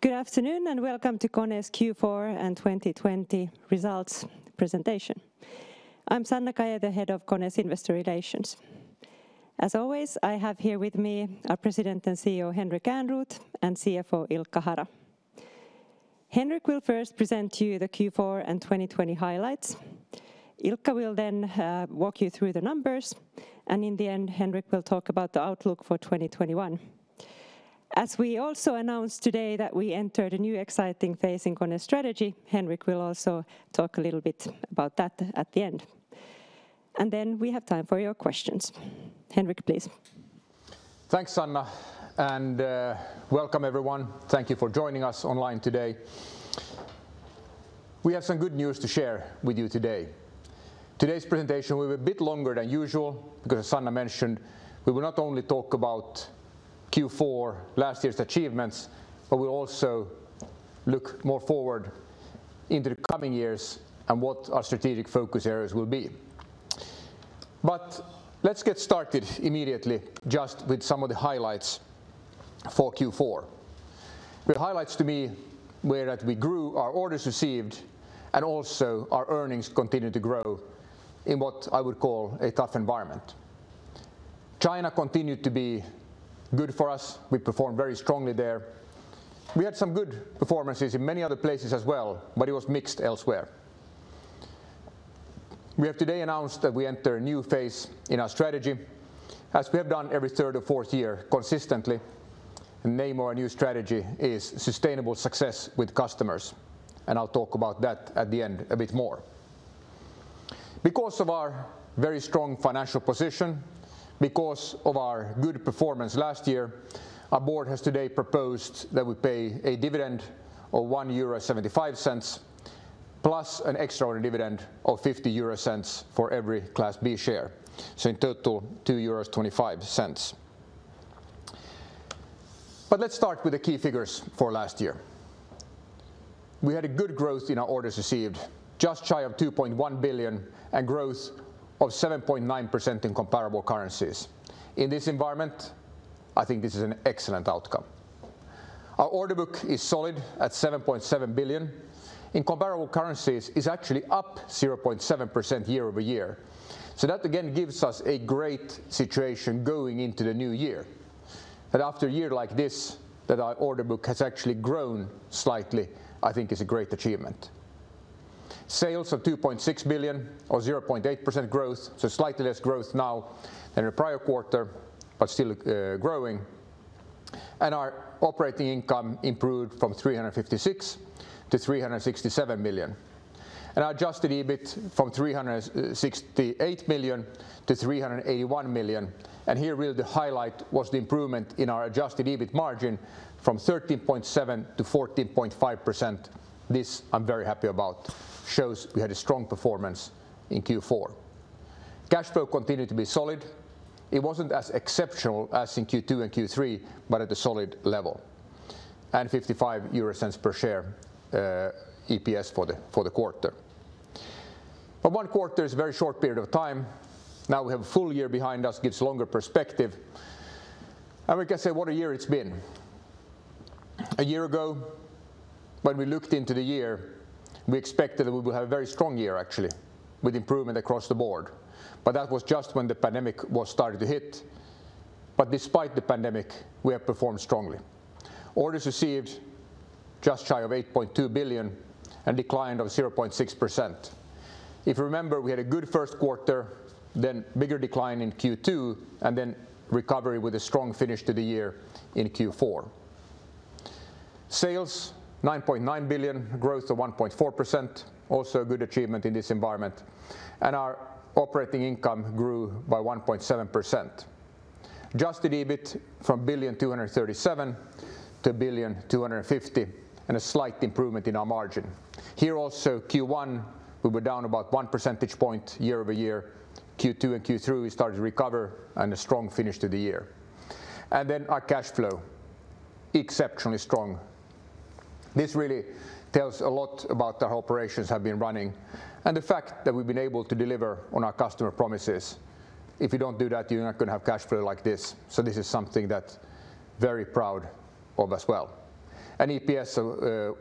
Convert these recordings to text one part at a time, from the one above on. Good afternoon, welcome to KONE's Q4 and 2020 results presentation. I'm Sanna Kaje, the Head of KONE's Investor Relations. As always, I have here with me our President and CEO, Henrik Ehrnrooth, and CFO, Ilkka Hara. Henrik will first present to you the Q4 and 2020 highlights. Ilkka will then walk you through the numbers, and in the end, Henrik will talk about the outlook for 2021. As we also announced today that we entered a new exciting phase in KONE strategy, Henrik will also talk a little bit about that at the end. Then we have time for your questions. Henrik, please. Thanks, Sanna. Welcome everyone. Thank you for joining us online today. We have some good news to share with you today. Today's presentation will be a bit longer than usual because, as Sanna mentioned, we will not only talk about Q4, last year's achievements, but we'll also look more forward into the coming years and what our strategic focus areas will be. Let's get started immediately just with some of the highlights for Q4. The highlights to me were that we grew our orders received, and also our earnings continued to grow in what I would call a tough environment. China continued to be good for us. We performed very strongly there. We had some good performances in many other places as well, but it was mixed elsewhere. We have today announced that we enter a new phase in our strategy, as we have done every third or fourth year consistently. The name of our new strategy is Sustainable Success with Customers. I'll talk about that at the end a bit more. Because of our very strong financial position, because of our good performance last year, our board has today proposed that we pay a dividend of 1.75 euro, plus an extraordinary dividend of 0.50 for every Class B share. In total, 2.25 euros. Let's start with the key figures for last year. We had a good growth in our orders received, just shy of 2.1 billion and growth of 7.9% in comparable currencies. In this environment, I think this is an excellent outcome. Our order book is solid at 7.7 billion. In comparable currencies, it's actually up 0.7% year-over-year. That again gives us a great situation going into the new year. That after a year like this, that our order book has actually grown slightly, I think is a great achievement. Sales of 2.6 billion or 0.8% growth, so slightly less growth now than the prior quarter, but still growing. Our operating income improved from 356 million to 367 million. Our adjusted EBIT from 368 million to 381 million. Here, really the highlight was the improvement in our adjusted EBIT margin from 13.7% to 14.5%. This, I'm very happy about. Shows we had a strong performance in Q4. Cash flow continued to be solid. It wasn't as exceptional as in Q2 and Q3, but at a solid level. 0.55 per share, EPS for the quarter. One quarter is a very short period of time. We have a full year behind us, gives longer perspective. We can say, what a year it's been. A year ago, when we looked into the year, we expected that we would have a very strong year, actually, with improvement across the board, that was just when the pandemic was starting to hit. Despite the pandemic, we have performed strongly. Orders received, just shy of 8.2 billion and decline of 0.6%. If you remember, we had a good first quarter, bigger decline in Q2, recovery with a strong finish to the year in Q4. Sales, 9.9 billion, growth of 1.4%, also a good achievement in this environment. Our operating income grew by 1.7%. Adjusted EBIT from 1.237 billion to 1.250 billion, a slight improvement in our margin. Here also, Q1, we were down about 1 percentage point year-over-year. Q2 and Q3, we started to recover and a strong finish to the year. Our cash flow, exceptionally strong. This really tells a lot about the operations have been running and the fact that we've been able to deliver on our customer promises. If you don't do that, you're not going to have cash flow like this. This is something that very proud of as well. EPS of EUR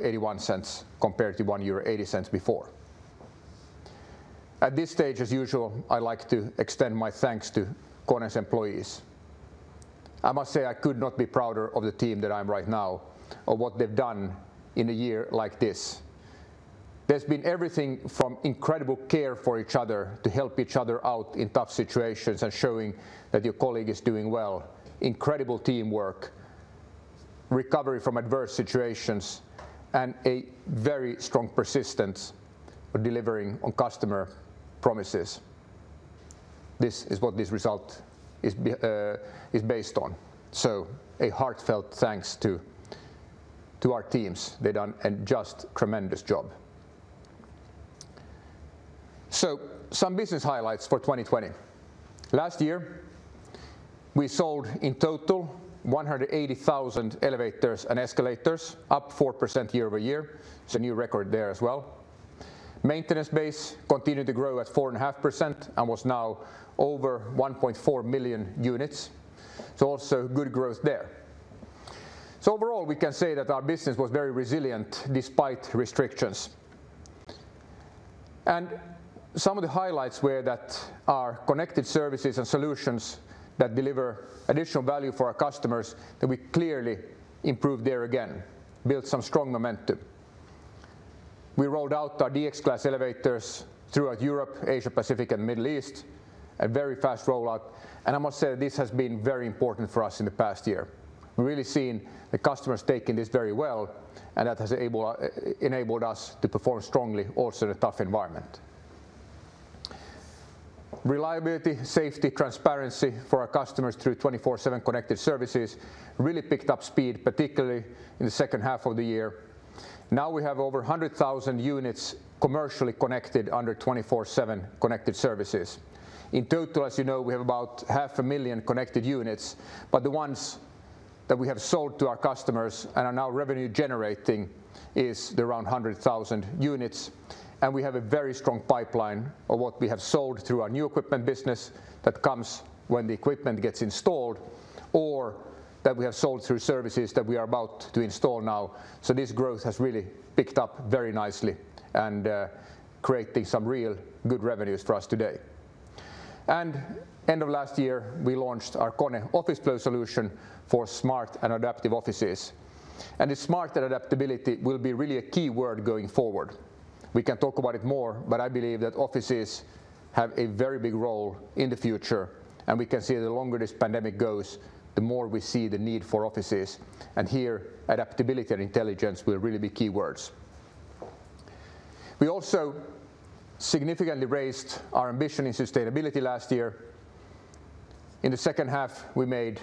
1.81 compared to 1.80 euro before. At this stage, as usual, I'd like to extend my thanks to KONE's employees. I must say I could not be prouder of the team that I have right now or what they've done in a year like this. There's been everything from incredible care for each other to help each other out in tough situations and showing that your colleague is doing well, incredible teamwork, recovery from adverse situations, and a very strong persistence of delivering on customer promises. This is what this result is based on. A heartfelt thanks to our teams. They've done a just tremendous job. Some business highlights for 2020. We sold in total 180,000 elevators and escalators, up 4% year-over-year. It's a new record there as well. Maintenance base continued to grow at 4.5% and was now over 1.4 million units, also good growth there. Overall, we can say that our business was very resilient despite restrictions. Some of the highlights were that our connected services and solutions that deliver additional value for our customers, that we clearly improved there again, built some strong momentum. We rolled out our KONE DX Class elevators throughout Europe, Asia-Pacific, and Middle East, a very fast rollout. I must say this has been very important for us in the past year. We've really seen the customers taking this very well, and that has enabled us to perform strongly also in a tough environment. Reliability, safety, transparency for our customers through KONE 24/7 Connected Services really picked up speed, particularly in the second half of the year. Now we have over 100,000 units commercially connected under KONE 24/7 Connected Services. In total, as you know, we have about 500,000 connected units, but the ones that we have sold to our customers and are now revenue generating is the around 100,000 units, and we have a very strong pipeline of what we have sold through our new equipment business that comes when the equipment gets installed, or that we have sold through services that we are about to install now. This growth has really picked up very nicely, and creating some real good revenues for us today. End of last year, we launched our KONE Office Flow solution for smart and adaptive offices. Smart adaptability will be really a key word going forward. We can talk about it more, but I believe that offices have a very big role in the future, and we can see the longer this pandemic goes, the more we see the need for offices, and here adaptability and intelligence will really be key words. We also significantly raised our ambition in sustainability last year. In the second half, we committed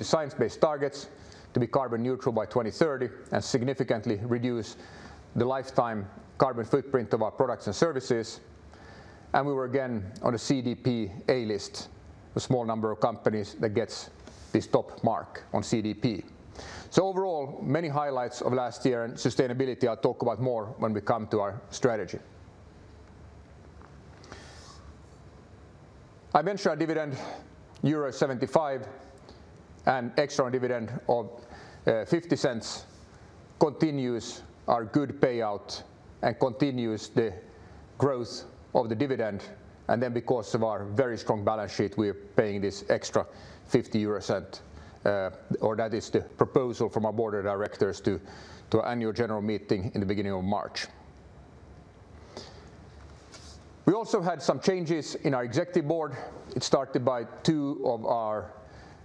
to science-based targets to be carbon neutral by 2030 and significantly reduce the lifetime carbon footprint of our products and services. We were again on a CDP A List, a small number of companies that gets this top mark on CDP. Overall, many highlights of last year in sustainability. I'll talk about more when we come to our strategy. I mentioned our dividend, euro 1.75, an extra dividend of 0.50 continues our good payout and continues the growth of the dividend. Because of our very strong balance sheet, we're paying this extra 0.50, or that is the proposal from our board of directors to annual general meeting in the beginning of March. We also had some changes in our Executive Board. It started by two of our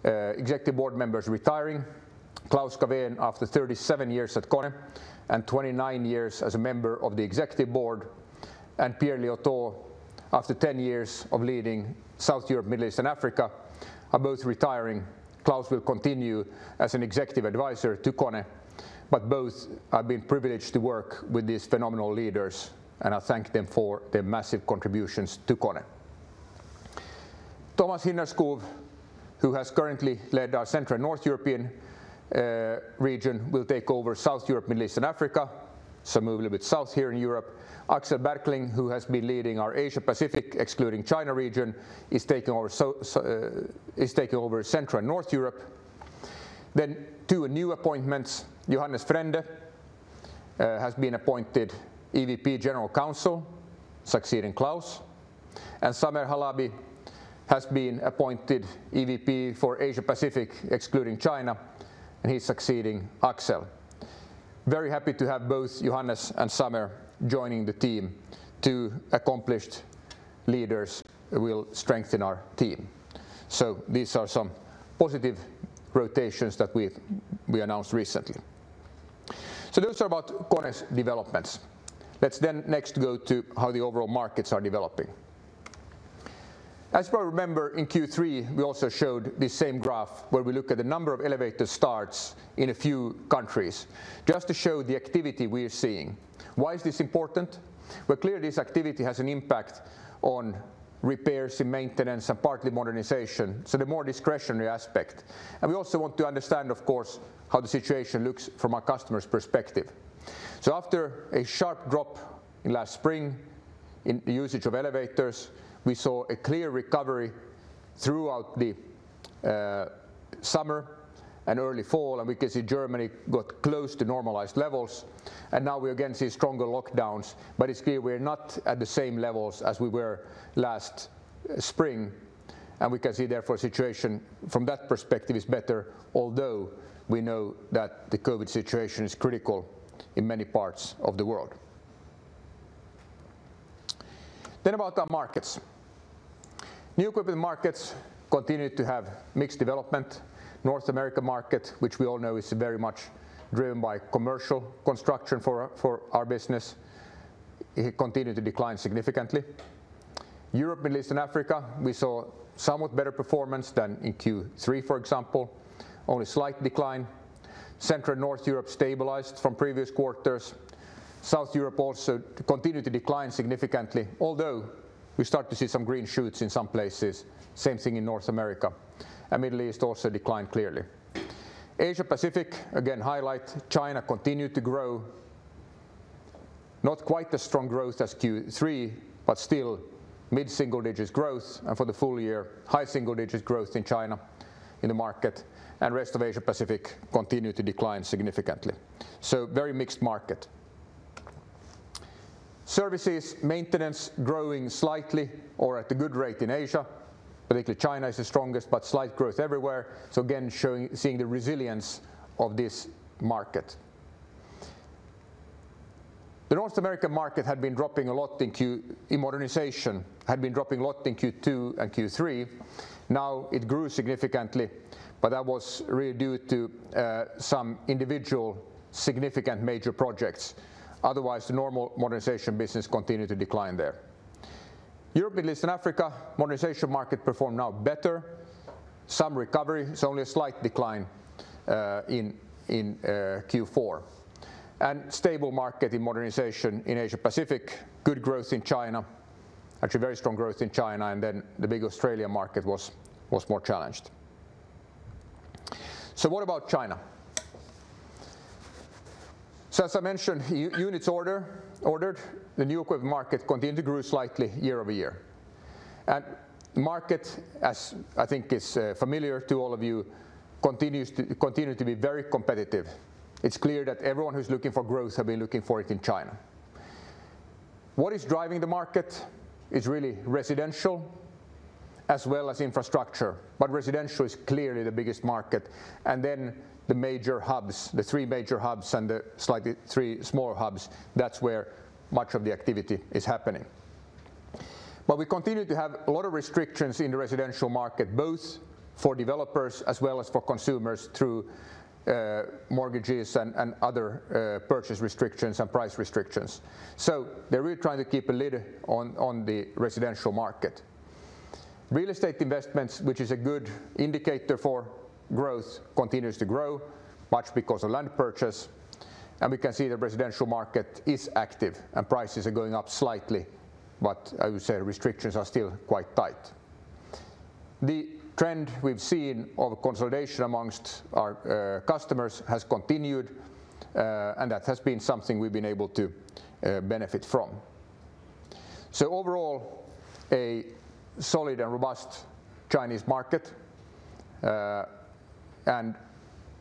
Executive Board members retiring. Klaus Cawén, after 37 years at KONE and 29 years as a member of the Executive Board, and Pierre Liautaud, after 10 years of leading South Europe, Middle East, and Africa, are both retiring. Klaus will continue as an executive advisor to KONE. Both, I've been privileged to work with these phenomenal leaders, and I thank them for their massive contributions to KONE. Thomas Hinnerskov, who has currently led our Central North European region, will take over South Europe, Middle East, and Africa, so move a little bit south here in Europe. Axel Berkling, who has been leading our Asia-Pacific, excluding China region, is taking over Central and North Europe. Two new appointments. Johannes Frände has been appointed EVP, General Counsel, succeeding Klaus, and Samer Halabi has been appointed EVP for Asia-Pacific, excluding China, and he's succeeding Axel. Very happy to have both Johannes and Samer joining the team. Two accomplished leaders will strengthen our team. These are some positive rotations that we announced recently. Those are about KONE's developments. Let's then next go to how the overall markets are developing. As you probably remember, in Q3, we also showed this same graph where we look at the number of elevator starts in a few countries just to show the activity we are seeing. Why is this important? Well, clearly this activity has an impact on repairs and maintenance and partly modernization, so the more discretionary aspect. We also want to understand, of course, how the situation looks from our customer's perspective. After a sharp drop last spring in the usage of elevators, we saw a clear recovery throughout the summer and early fall, and we can see Germany got close to normalized levels, and now we again see stronger lockdowns. It's clear we're not at the same levels as we were last spring, and we can see therefore situation from that perspective is better, although we know that the COVID situation is critical in many parts of the world. About our markets. New equipment markets continued to have mixed development. North America market, which we all know is very much driven by commercial construction for our business, it continued to decline significantly. Europe, Middle East, and Africa, we saw somewhat better performance than in Q3, for example, only slight decline. Central and North Europe stabilized from previous quarters. South Europe also continued to decline significantly, although we start to see some green shoots in some places. Same thing in North America, and Middle East also declined clearly. Asia-Pacific, again highlight, China continued to grow. Not quite as strong growth as Q3, but still mid-single-digits growth for the full year. High single-digit growth in China in the market, and rest of Asia-Pacific continued to decline significantly. Very mixed market. Services maintenance growing slightly or at a good rate in Asia. Particularly China is the strongest, but slight growth everywhere. Again, seeing the resilience of this market. The North American market had been dropping a lot in modernization, had been dropping a lot in Q2 and Q3. It grew significantly, that was really due to some individual significant major projects. Otherwise, the normal modernization business continued to decline there. Europe, Middle East, and Africa, modernization market performed now better. Some recovery. It's only a slight decline in Q4. Stable market in modernization in Asia-Pacific. Good growth in China, actually very strong growth in China, the big Australian market was more challenged. What about China? As I mentioned, units ordered, the new equipment market continued to grow slightly year-over-year. Market, as I think is familiar to all of you, continued to be very competitive. It's clear that everyone who's looking for growth have been looking for it in China. What is driving the market is really residential as well as infrastructure, residential is clearly the biggest market. The three major hubs and the slightly three smaller hubs, that's where much of the activity is happening. We continued to have a lot of restrictions in the residential market, both for developers as well as for consumers through mortgages and other purchase restrictions and price restrictions. They're really trying to keep a lid on the residential market. Real estate investments, which is a good indicator for growth, continues to grow, much because of land purchase. We can see the residential market is active and prices are going up slightly, but I would say the restrictions are still quite tight. The trend we've seen of consolidation amongst our customers has continued, and that has been something we've been able to benefit from. Overall, a solid and robust Chinese market, and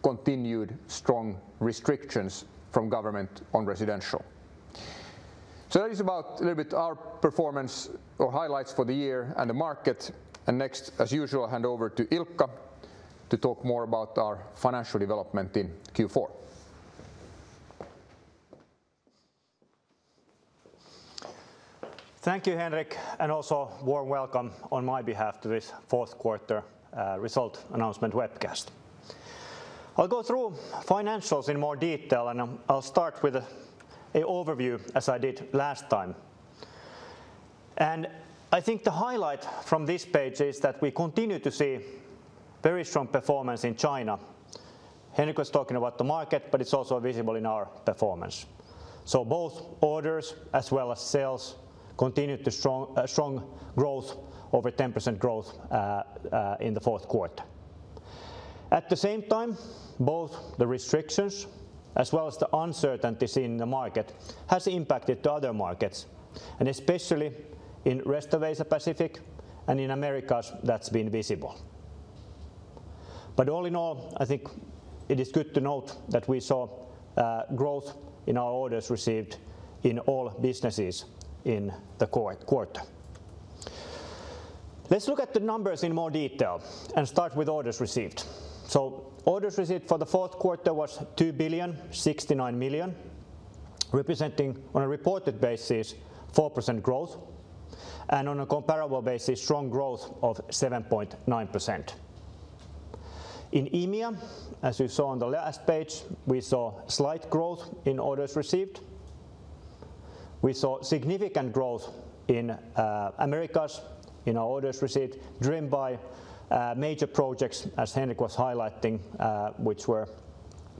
continued strong restrictions from government on residential. That is about a little bit our performance or highlights for the year and the market. Next, as usual, I hand over to Ilkka to talk more about our financial development in Q4. Thank you, Henrik, Also warm welcome on my behalf to this fourth quarter result announcement webcast. I'll go through financials in more detail and I'll start with an overview, as I did last time. I think the highlight from this page is that we continue to see very strong performance in China. Henrik was talking about the market, but it's also visible in our performance. Both orders as well as sales continued a strong growth, over 10% growth, in the fourth quarter. At the same time, both the restrictions as well as the uncertainties in the market has impacted the other markets, and especially in rest of Asia-Pacific and in Americas, that's been visible. All in all, I think it is good to note that we saw growth in our orders received in all businesses in the quarter. Orders received for the fourth quarter was 2.069 billion, representing on a reported basis 4% growth, and on a comparable basis, strong growth of 7.9%. In EMEA, as you saw on the last page, we saw slight growth in orders received. We saw significant growth in Americas in our orders received, driven by major projects as Henrik was highlighting, which were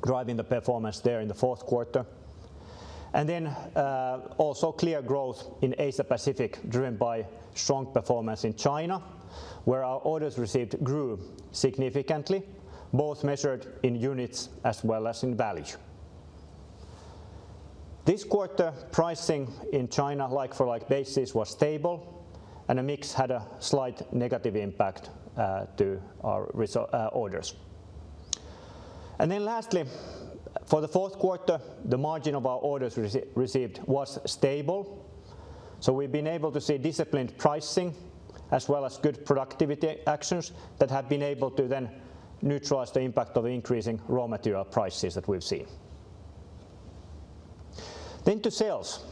driving the performance there in the fourth quarter. Also clear growth in Asia-Pacific driven by strong performance in China, where our orders received grew significantly, both measured in units as well as in value. This quarter, pricing in China like-for-like basis was stable, and a mix had a slight negative impact to our orders. Lastly, for the fourth quarter, the margin of our orders received was stable. We've been able to see disciplined pricing as well as good productivity actions that have been able to then neutralize the impact of increasing raw material prices that we've seen. To sales.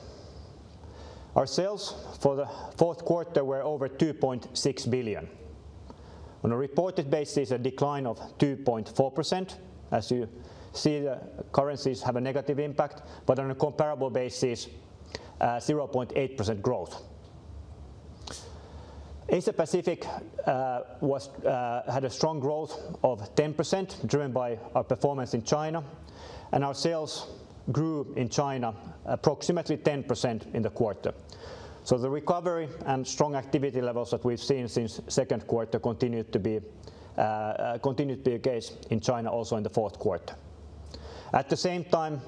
Our sales for the fourth quarter were over 2.6 billion. On a reported basis, a decline of 2.4%. As you see, the currencies have a negative impact. On a comparable basis, 0.8% growth. Asia-Pacific had a strong growth of 10%, driven by our performance in China. Our sales grew in China approximately 10% in the quarter. The recovery and strong activity levels that we've seen since second quarter continued to be the case in China also in the fourth quarter. At the same time,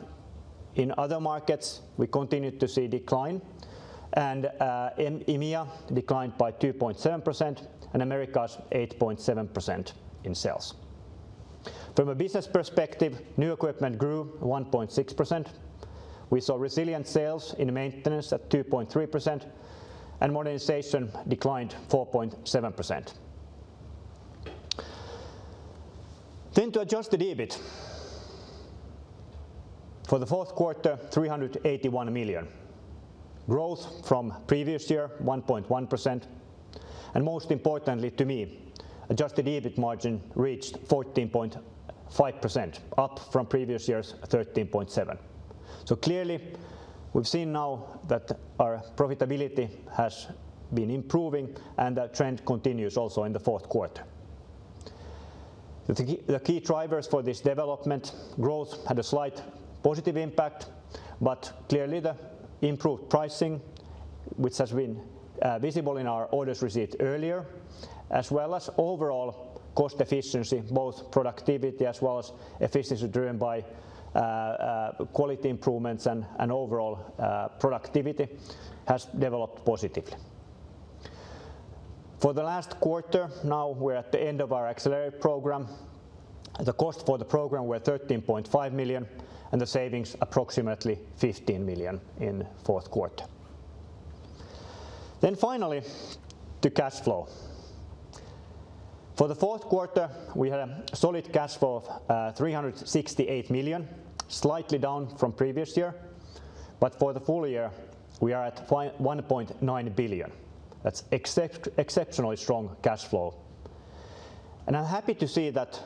in other markets, we continued to see decline, and EMEA declined by 2.7%, and Americas 8.7% in sales. From a business perspective, new equipment grew 1.6%. We saw resilient sales in maintenance at 2.3%, and modernization declined 4.7%. Adjusted EBIT for the fourth quarter, 381 million. Growth from previous year 1.1%, and most importantly to me, Adjusted EBIT margin reached 14.5%, up from previous year's 13.7%. Clearly, we've seen now that our profitability has been improving, and that trend continues also in the fourth quarter. The key drivers for this development growth had a slight positive impact, but clearly the improved pricing, which has been visible in our orders received earlier, as well as overall cost efficiency, both productivity as well as efficiency driven by quality improvements and overall productivity, has developed positively. For the last quarter, now we're at the end of our Accelerate program. The cost for the program were 13.5 million, and the savings approximately 15 million in fourth quarter. Finally, to cash flow. For the fourth quarter, we had a solid cash flow of 368 million, slightly down from previous year. For the full year, we are at 1.9 billion. That's exceptionally strong cash flow. I'm happy to see that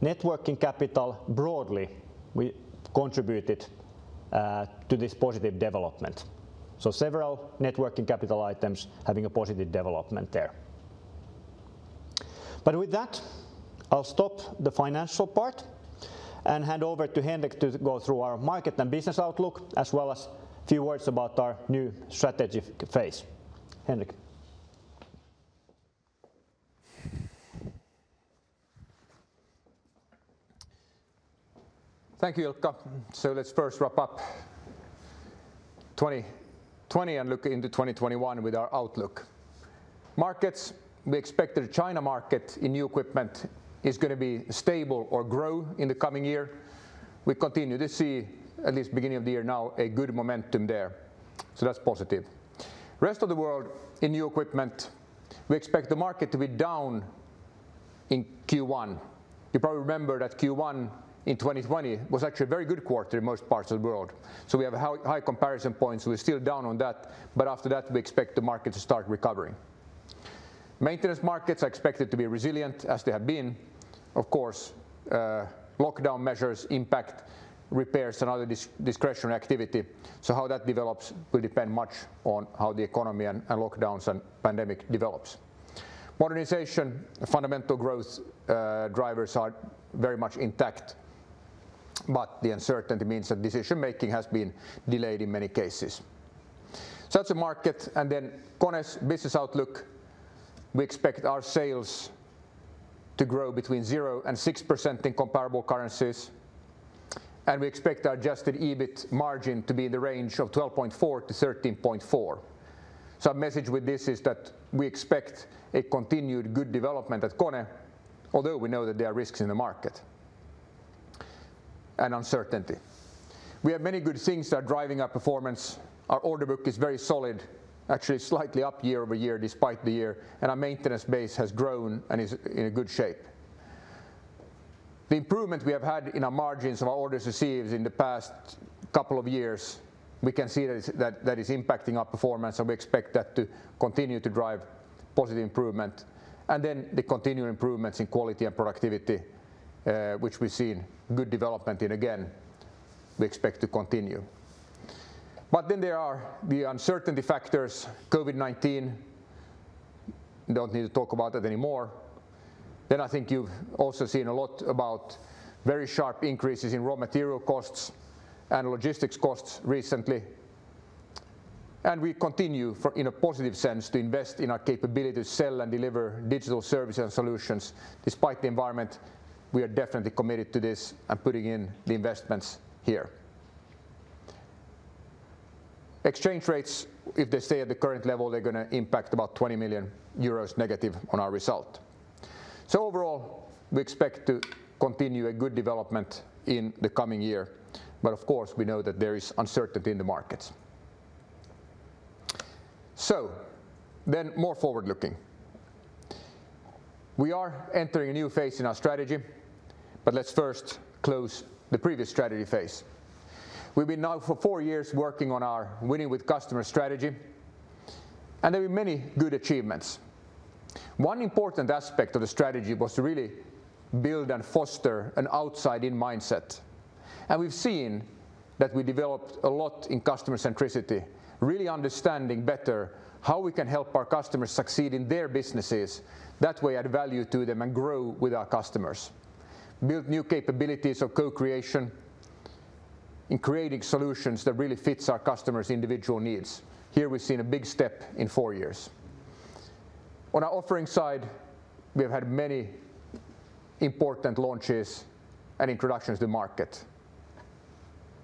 net working capital broadly contributed to this positive development. Several net working capital items having a positive development there. With that, I'll stop the financial part and hand over to Henrik to go through our market and business outlook, as well as a few words about our new strategy phase. Henrik. Thank you, Ilkka. Let's first wrap up 2020 and look into 2021 with our outlook. Markets, we expect the China market in new equipment is going to be stable or grow in the coming year. We continue to see, at least beginning of the year now, a good momentum there. That's positive. Rest of the world in new equipment, we expect the market to be down in Q1. You probably remember that Q1 in 2020 was actually a very good quarter in most parts of the world. We have high comparison points. We're still down on that, but after that, we expect the market to start recovering. Maintenance markets are expected to be resilient as they have been. Of course, lockdown measures impact repairs and other discretionary activity. How that develops will depend much on how the economy and lockdowns and pandemic develops. Modernization, fundamental growth drivers are very much intact, the uncertainty means that decision-making has been delayed in many cases. That's the market. KONE's business outlook, we expect our sales to grow between 0% and 6% in comparable currencies, and we expect our adjusted EBIT margin to be in the range of 12.4%-13.4%. Our message with this is that we expect a continued good development at KONE, although we know that there are risks in the market and uncertainty. We have many good things that are driving our performance. Our order book is very solid, actually slightly up year-over-year despite the year, and our maintenance base has grown and is in a good shape. The improvement we have had in our margins of our orders received in the past couple of years, we can see that is impacting our performance. We expect that to continue to drive positive improvement. The continued improvements in quality and productivity, which we've seen good development in again, we expect to continue. There are the uncertainty factors. COVID-19. We don't need to talk about that anymore. I think you've also seen a lot about very sharp increases in raw material costs and logistics costs recently. We continue in a positive sense to invest in our capability to sell and deliver digital services and solutions despite the environment. We are definitely committed to this and putting in the investments here. Exchange rates, if they stay at the current level, they're going to impact about 20 million euros negative on our result. Overall, we expect to continue a good development in the coming year. Of course, we know that there is uncertainty in the markets. More forward-looking. We are entering a new phase in our strategy, but let's first close the previous strategy phase. We've been now for four years working on our Winning with Customers strategy, and there were many good achievements. One important aspect of the strategy was to really build and foster an outside-in mindset. We've seen that we developed a lot in customer centricity, really understanding better how we can help our customers succeed in their businesses. That way, add value to them and grow with our customers. Build new capabilities of co-creation in creating solutions that really fits our customers' individual needs. Here we've seen a big step in four years. On our offering side, we have had many important launches and introductions to market.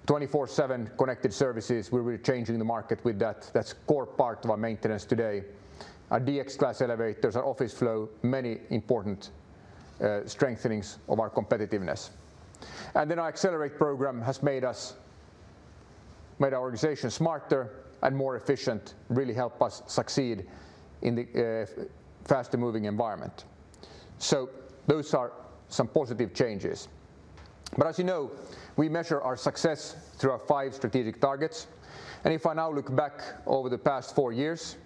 KONE 24/7 Connected Services, we're really changing the market with that. That's core part of our maintenance today. Our KONE DX Class elevators, our KONE Office Flow, many important strengthenings of our competitiveness. Our Accelerate program has made our organization smarter and more efficient, really help us succeed in the fast moving environment. Those are some positive changes. As you know, we measure our success through our five strategic targets. If I now look back over the past four years,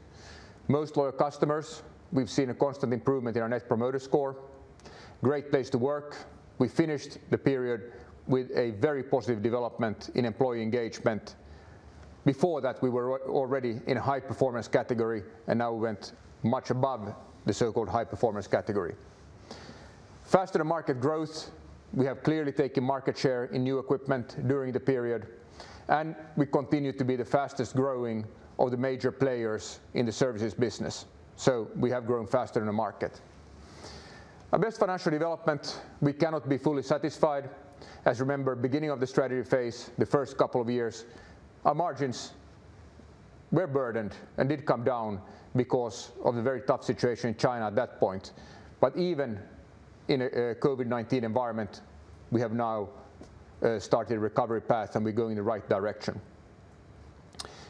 Most Loyal Customers, we've seen a constant improvement in our Net Promoter Score. Great Place to Work. We finished the period with a very positive development in employee engagement. Before that, we were already in a high-performance category, and now we went much above the so-called high-performance category. Faster Than Market Growth. We have clearly taken market share in new equipment during the period, and we continue to be the fastest growing of the major players in the services business. We have grown faster in the market. Our Best Financial Development, we cannot be fully satisfied. As you remember, beginning of the strategy phase, the first couple of years, our margins were burdened and did come down because of the very tough situation in China at that point. Even in a COVID-19 environment, we have now started a recovery path, and we're going in the right direction.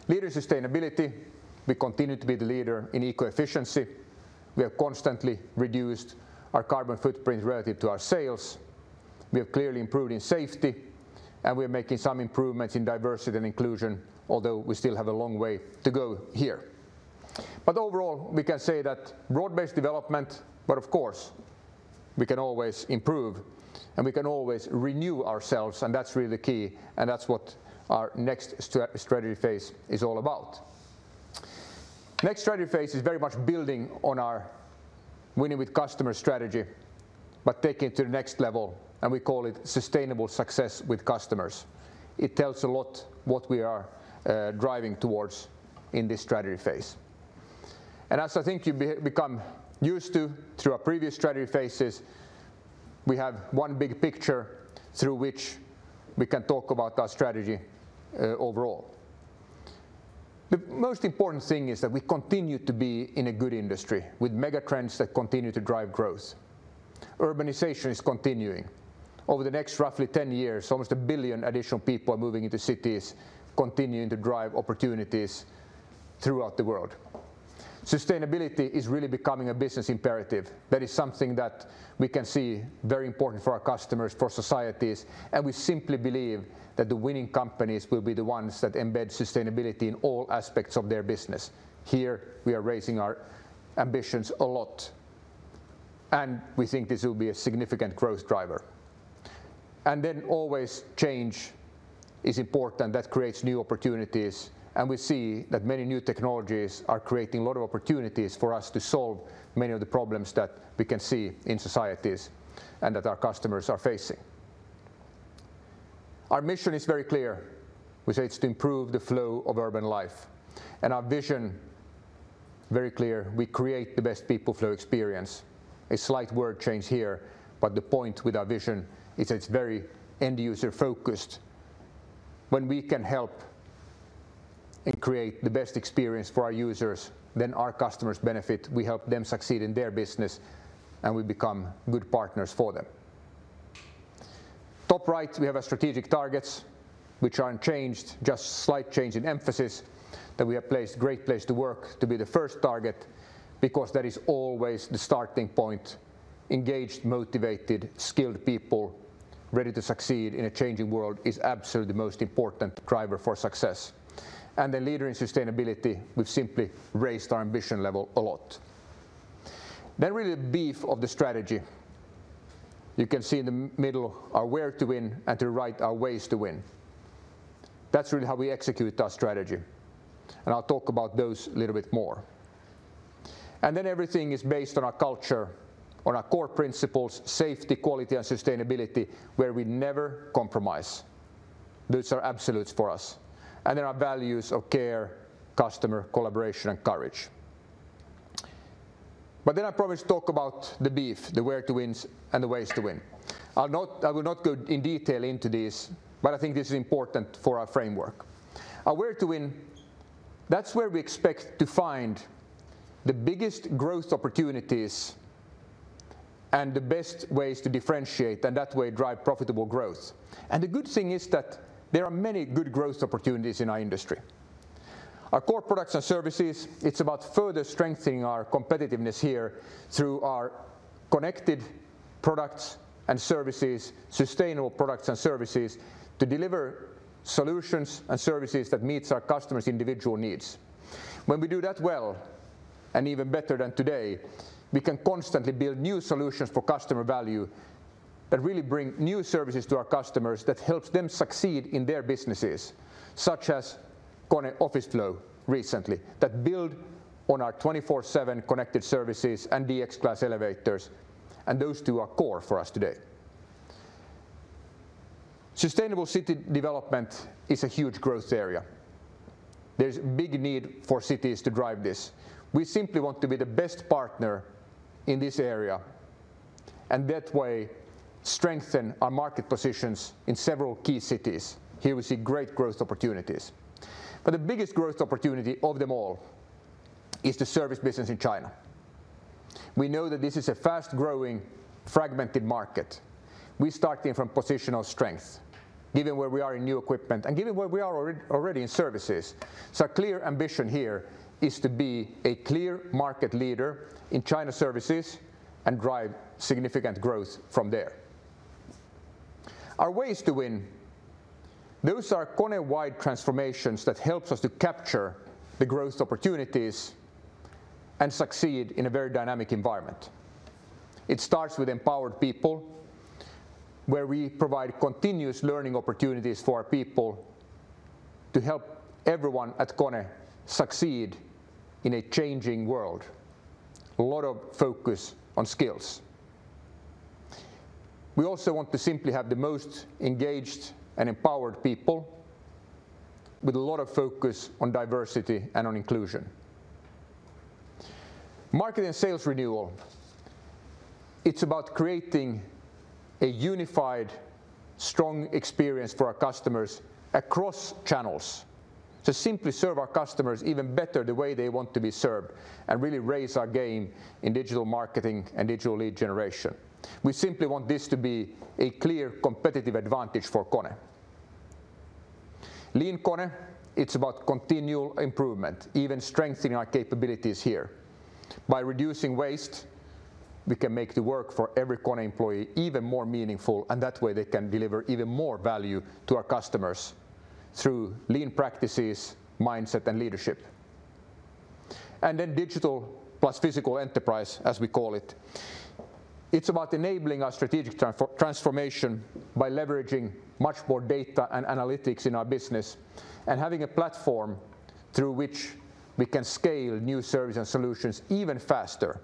Leader in Sustainability. We continue to be the leader in eco-efficiency. We have constantly reduced our carbon footprint relative to our sales. We have clearly improved in safety, and we are making some improvements in diversity and inclusion, although we still have a long way to go here. Overall, we can say that broad-based development, but of course, we can always improve, and we can always renew ourselves, and that's really key, and that's what our next strategy phase is all about. Next strategy phase is very much building on our Winning with Customers strategy, but taking it to the next level, and we call it Sustainable Success with Customers. It tells a lot what we are driving towards in this strategy phase. As I think you've become used to through our previous strategy phases, we have one big picture through which we can talk about our strategy overall. The most important thing is that we continue to be in a good industry with megatrends that continue to drive growth. Urbanization is continuing. Over the next roughly 10 years, almost 1 billion additional people are moving into cities, continuing to drive opportunities throughout the world. Sustainability is really becoming a business imperative. That is something that we can see very important for our customers, for societies, and we simply believe that the winning companies will be the ones that embed sustainability in all aspects of their business. Here we are raising our ambitions a lot, and we think this will be a significant growth driver. Always change is important. That creates new opportunities, and we see that many new technologies are creating a lot of opportunities for us to solve many of the problems that we can see in societies and that our customers are facing. Our mission is very clear, which is to improve the flow of urban life. Our vision, very clear, we create the best people flow experience. A slight word change here, but the point with our vision is it is very end-user focused. When we can help and create the best experience for our users, then our customers benefit. We help them succeed in their business, we become good partners for them. Top right, we have our strategic targets, which aren't changed, just slight change in emphasis, that we have placed Great Place to Work to be the first target because that is always the starting point. Engaged, motivated, skilled people ready to succeed in a changing world is absolutely the most important driver for success. The leader in sustainability, we've simply raised our ambition level a lot. Really the beef of the strategy. You can see in the middle our where to win and to right our ways to win. That's really how we execute our strategy. I'll talk about those a little bit more. Everything is based on our culture, on our core principles, safety, quality, and sustainability, where we never compromise. Those are absolutes for us. There are values of care, customer, collaboration, and courage. I promised to talk about the beef, the where to wins and the ways to win. I will not go in detail into this, but I think this is important for our framework. Our where to win, that's where we expect to find the biggest growth opportunities and the best ways to differentiate and that way drive profitable growth. The good thing is that there are many good growth opportunities in our industry. Our core products and services, it's about further strengthening our competitiveness here through our connected products and services, sustainable products and services to deliver solutions and services that meet our customers' individual needs. When we do that well, and even better than today, we can constantly build new solutions for customer value that really bring new services to our customers that helps them succeed in their businesses, such as KONE Office Flow recently, that build on our KONE 24/7 Connected Services and KONE DX Class elevators. Those two are core for us today. Sustainable city development is a huge growth area. There's big need for cities to drive this. We simply want to be the best partner in this area. That way strengthen our market positions in several key cities. Here we see great growth opportunities. The biggest growth opportunity of them all is the service business in China. We know that this is a fast-growing, fragmented market. We're starting from a position of strength given where we are in new equipment and given where we are already in services. Our clear ambition here is to be a clear market leader in China services and drive significant growth from there. Our ways to win, those are KONE-wide transformations that helps us to capture the growth opportunities and succeed in a very dynamic environment. It starts with empowered people, where we provide continuous learning opportunities for our people to help everyone at KONE succeed in a changing world. A lot of focus on skills. We also want to simply have the most engaged and empowered people with a lot of focus on diversity and on inclusion. Market and sales renewal, it's about creating a unified, strong experience for our customers across channels to simply serve our customers even better the way they want to be served and really raise our game in digital marketing and digital lead generation. We simply want this to be a clear competitive advantage for KONE. Lean KONE, it's about continual improvement, even strengthening our capabilities here. By reducing waste, we can make the work for every KONE employee even more meaningful, and that way they can deliver even more value to our customers through lean practices, mindset, and leadership. Then digital plus physical enterprise, as we call it. It's about enabling our strategic transformation by leveraging much more data and analytics in our business and having a platform through which we can scale new service and solutions even faster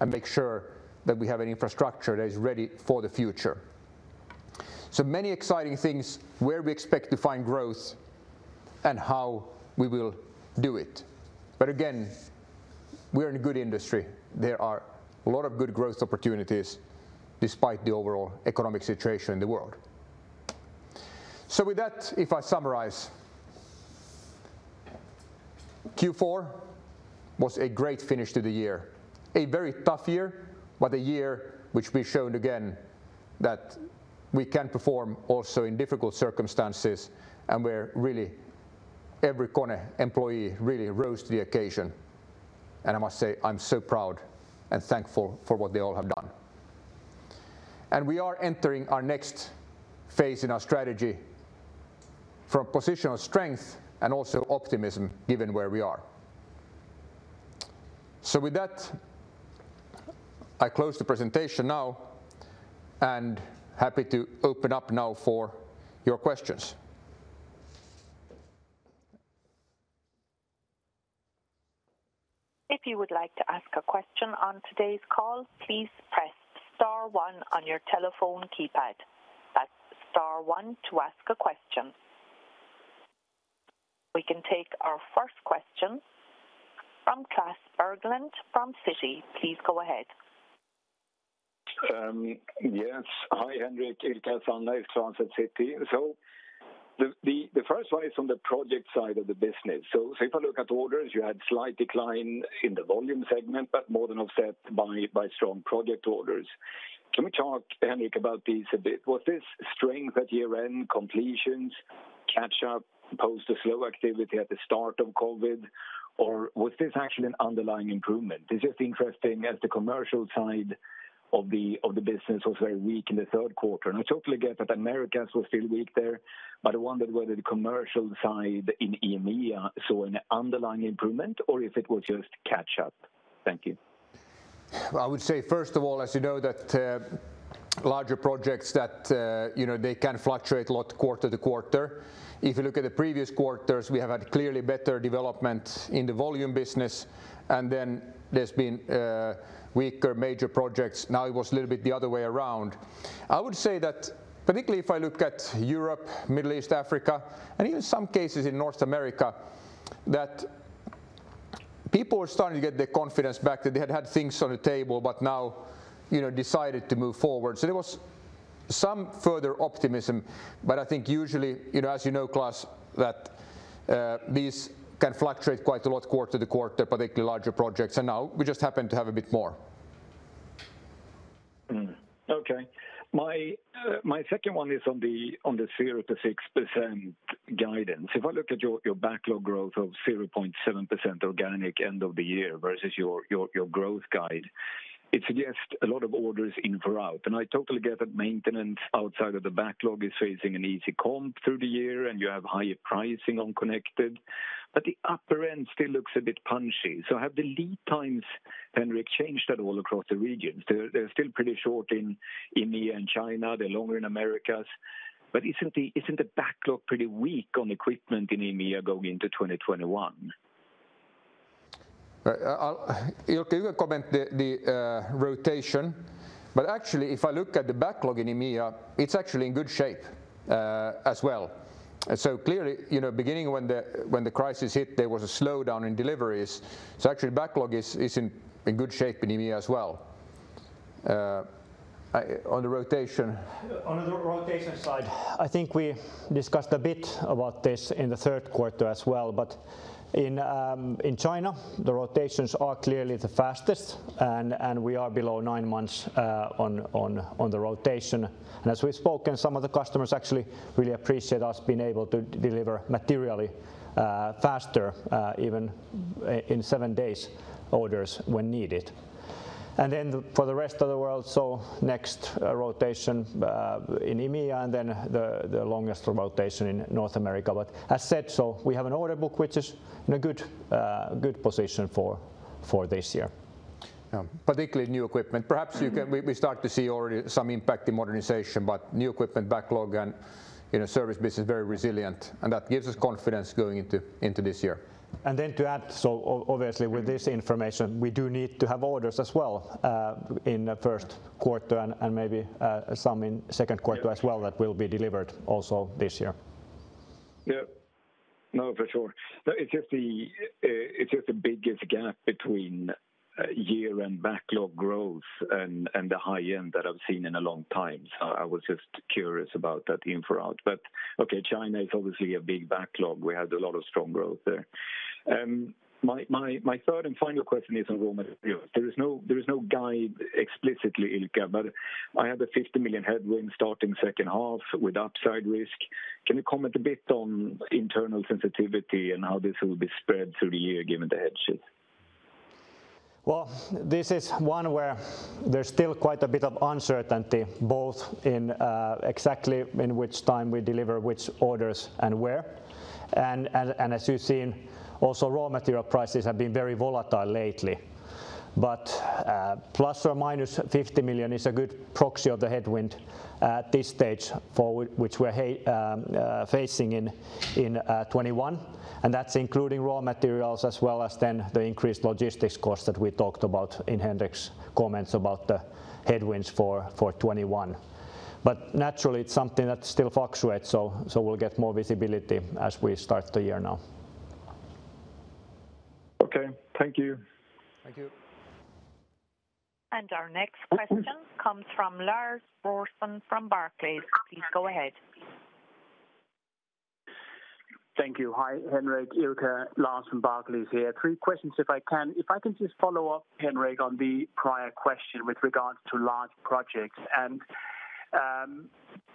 and make sure that we have an infrastructure that is ready for the future. Many exciting things where we expect to find growth and how we will do it. Again, we're in a good industry. There are a lot of good growth opportunities despite the overall economic situation in the world. With that, if I summarize, Q4 was a great finish to the year. A very tough year, but a year which we've shown again that we can perform also in difficult circumstances and where really every KONE employee really rose to the occasion. I must say, I'm so proud and thankful for what they all have done. We are entering our next phase in our strategy from a position of strength and also optimism given where we are. With that, I close the presentation now, and happy to open up now for your questions. If you would like to ask a question on today's call, please press star one on your telephone keypad. That's star one to ask a question. We can take our first question from Klas Bergelind from Citi. Please go ahead. Yes. Hi, Henrik. It's Klas from Citi. The first one is on the project side of the business. If I look at orders, you had slight decline in the volume segment, but more than offset by strong project orders. Can we talk, Henrik, about these a bit? Was this strength at year-end completions catch up post the slow activity at the start of COVID, or was this actually an underlying improvement? This is interesting as the commercial side of the business was very weak in the third quarter. It's hopefully good that Americas was still weak there, but I wondered whether the commercial side in EMEA saw an underlying improvement or if it was just catch-up. Thank you. I would say, first of all, as you know that larger projects that they can fluctuate a lot quarter to quarter. If you look at the previous quarters, we have had clearly better development in the volume business, and then there's been weaker major projects. Now it was a little bit the other way around. I would say that particularly if I look at Europe, Middle East, Africa, and even some cases in North America, that people are starting to get their confidence back, that they had had things on the table but now decided to move forward. There was some further optimism, but I think usually, as you know, Klas, that these can fluctuate quite a lot quarter to quarter, particularly larger projects, and now we just happen to have a bit more. Okay. My second one is on the 0% to 6% guidance. If I look at your backlog growth of 0.7% organic end of the year versus your growth guide, it suggests a lot of orders in for out, and I totally get that maintenance outside of the backlog is facing an easy comp through the year, and you have higher pricing on connected, but the upper end still looks a bit punchy. Have the lead times, Henrik, changed at all across the regions? They're still pretty short in EMEA and China. They're longer in Americas. Isn't the backlog pretty weak on equipment in EMEA going into 2021? Ilkka, you can comment the rotation. Actually, if I look at the backlog in EMEA, it's actually in good shape as well. Clearly, beginning when the crisis hit, there was a slowdown in deliveries. Actually backlog is in good shape in EMEA as well. On the rotation. On the rotation side, I think we discussed a bit about this in the third quarter as well. In China, the rotations are clearly the fastest, and we are below nine months on the rotation. As we've spoken, some of the customers actually really appreciate us being able to deliver materially faster, even in seven days' orders when needed. For the rest of the world, next rotation in EMEA, the longest rotation in North America. As said, we have an order book which is in a good position for this year. Yeah. Particularly new equipment. Perhaps we start to see already some impact in modernization, but new equipment backlog and service business is very resilient, and that gives us confidence going into this year. Obviously with this information, we do need to have orders as well in the first quarter and maybe some in second quarter. Yeah as well that will be delivered also this year. Yeah. No, for sure. No, it's just the biggest gap between year and backlog growth and the high end that I've seen in a long time. I was just curious about that in for out. Okay, China is obviously a big backlog. We had a lot of strong growth there. My third and final question is on raw material. There is no guide explicitly, Ilkka, but I have a 50 million headwind starting second half with upside risk. Can you comment a bit on internal sensitivity and how this will be spread through the year given the headship? Well, this is one where there's still quite a bit of uncertainty, both in exactly in which time we deliver which orders and where. As you've seen, also raw material prices have been very volatile lately. ±50 million is a good proxy of the headwind at this stage, for which we're facing in 2021, and that's including raw materials as well as then the increased logistics cost that we talked about in Henrik's comments about the headwinds for 2021. Naturally, it's something that still fluctuates, so we'll get more visibility as we start the year now. Okay. Thank you. Thank you. Our next question comes from Lars Brorson from Barclays. Please go ahead. Thank you. Hi, Henrik, Ilkka. Lars from Barclays here. Three questions if I can. If I can just follow up, Henrik, on the prior question with regards to large projects, and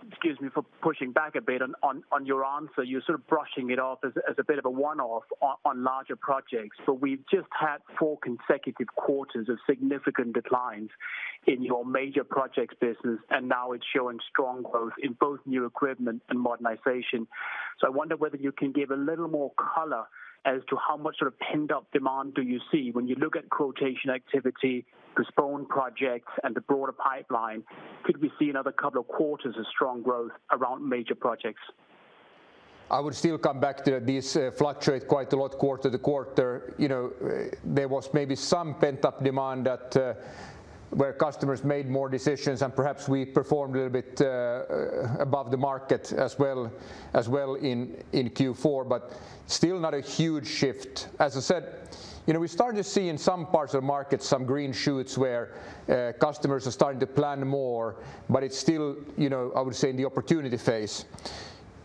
excuse me for pushing back a bit on your answer. You're sort of brushing it off as a bit of a one-off on larger projects. We've just had four consecutive quarters of significant declines in your major projects business, and now it's showing strong growth in both new equipment and modernization. I wonder whether you can give a little more color as to how much sort of pent-up demand do you see when you look at quotation activity, postponed projects, and the broader pipeline. Could we see another couple of quarters of strong growth around major projects? I would still come back to this fluctuate quite a lot quarter to quarter. There was maybe some pent-up demand where customers made more decisions, and perhaps we performed a little bit above the market as well in Q4, but still not a huge shift. As I said, we started to see in some parts of the market some green shoots where customers are starting to plan more, but it's still, I would say, in the opportunity phase.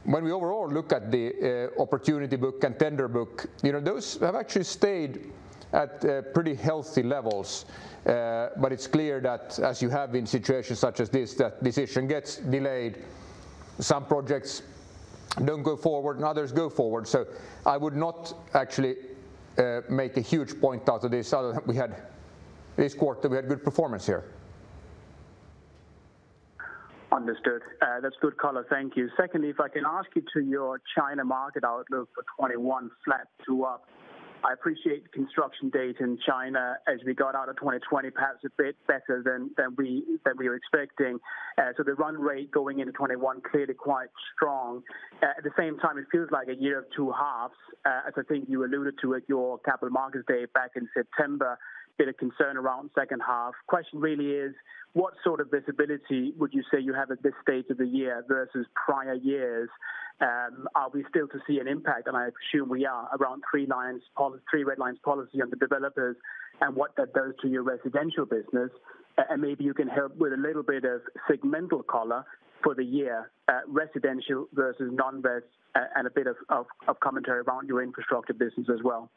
When we overall look at the opportunity book and tender book, those have actually stayed at pretty healthy levels. It's clear that as you have been situations such as this, that decision gets delayed. Some projects don't go forward and others go forward. I would not actually make a huge point out of this, other than this quarter, we had good performance here. Understood. That's good color. Thank you. If I can ask you to your China market outlook for 2021 flat to up. I appreciate the construction data in China as we got out of 2020, perhaps a bit better than we were expecting. The run rate going into 2021 clearly quite strong. At the same time, it feels like a year of two halves. As I think you alluded to at your Capital Markets Day back in September, bit of concern around second half. Question really is, what sort of visibility would you say you have at this stage of the year versus prior years? Are we still to see an impact, and I assume we are, around Three Red Lines policy on the developers and what that does to your residential business? Maybe you can help with a little bit of segmental color for the year, residential versus non-res, and a bit of commentary around your infrastructure business as well.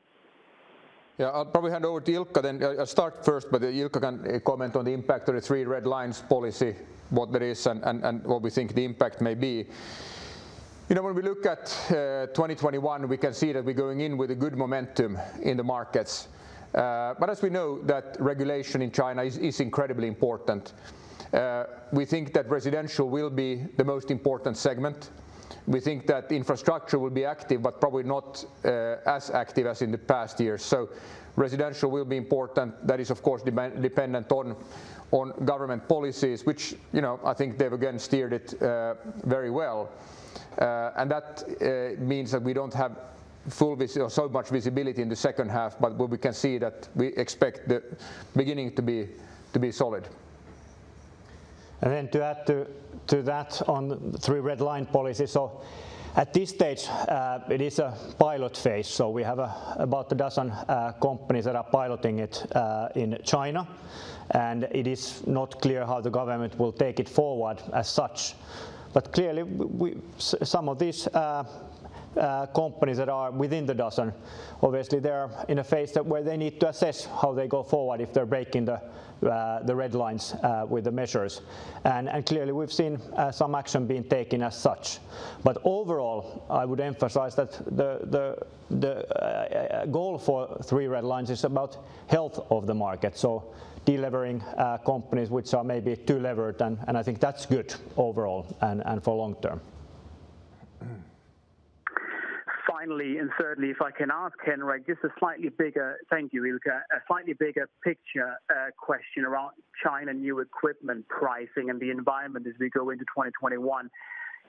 Yeah. I'll probably hand over to Ilkka then. I'll start first, but Ilkka can comment on the impact of the Three Red Lines policy, what that is and what we think the impact may be. We look at 2021, we can see that we're going in with a good momentum in the markets. As we know, that regulation in China is incredibly important. We think that residential will be the most important segment. We think that infrastructure will be active, but probably not as active as in the past years. Residential will be important. That is, of course, dependent on government policies, which I think they've again steered it very well. That means that we don't have so much visibility in the second half, but what we can see that we expect the beginning to be solid. To add to that on Three Red Lines policy. At this stage, it is a pilot phase. We have about a dozen companies that are piloting it in China, and it is not clear how the government will take it forward as such. Clearly some of these companies that are within the dozen, obviously they're in a phase that where they need to assess how they go forward, if they're breaking the Three Red Lines with the measures. Clearly we've seen some action being taken as such. Overall, I would emphasize that the goal for Three Red Lines is about health of the market, so delivering companies which are maybe too levered, and I think that's good overall and for long term. Finally, thirdly, if I can ask Henrik, just a slightly bigger picture question around China new equipment pricing and the environment as we go into 2021,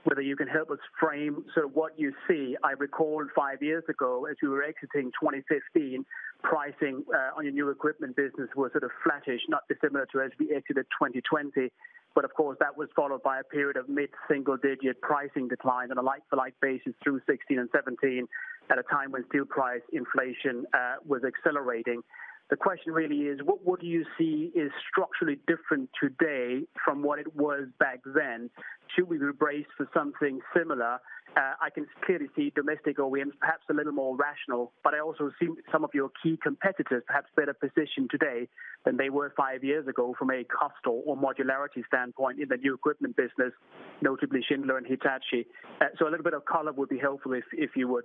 whether you can help us frame sort of what you see. Thank you, Ilkka. I recall five years ago as we were exiting 2015, pricing on your new equipment business was sort of flattish, not dissimilar to as we exited 2020. Of course, that was followed by a period of mid-single digit pricing decline on a like-for-like basis through 2016 and 2017, at a time when steel price inflation was accelerating. The question really is, what would you see is structurally different today from what it was back then? Should we be braced for something similar? I can clearly see domestic OEMs perhaps a little more rational, but I also assume some of your key competitors perhaps better positioned today than they were five years ago from a cost or modularity standpoint in the new equipment business, notably Schindler and Hitachi. A little bit of color would be helpful if you would.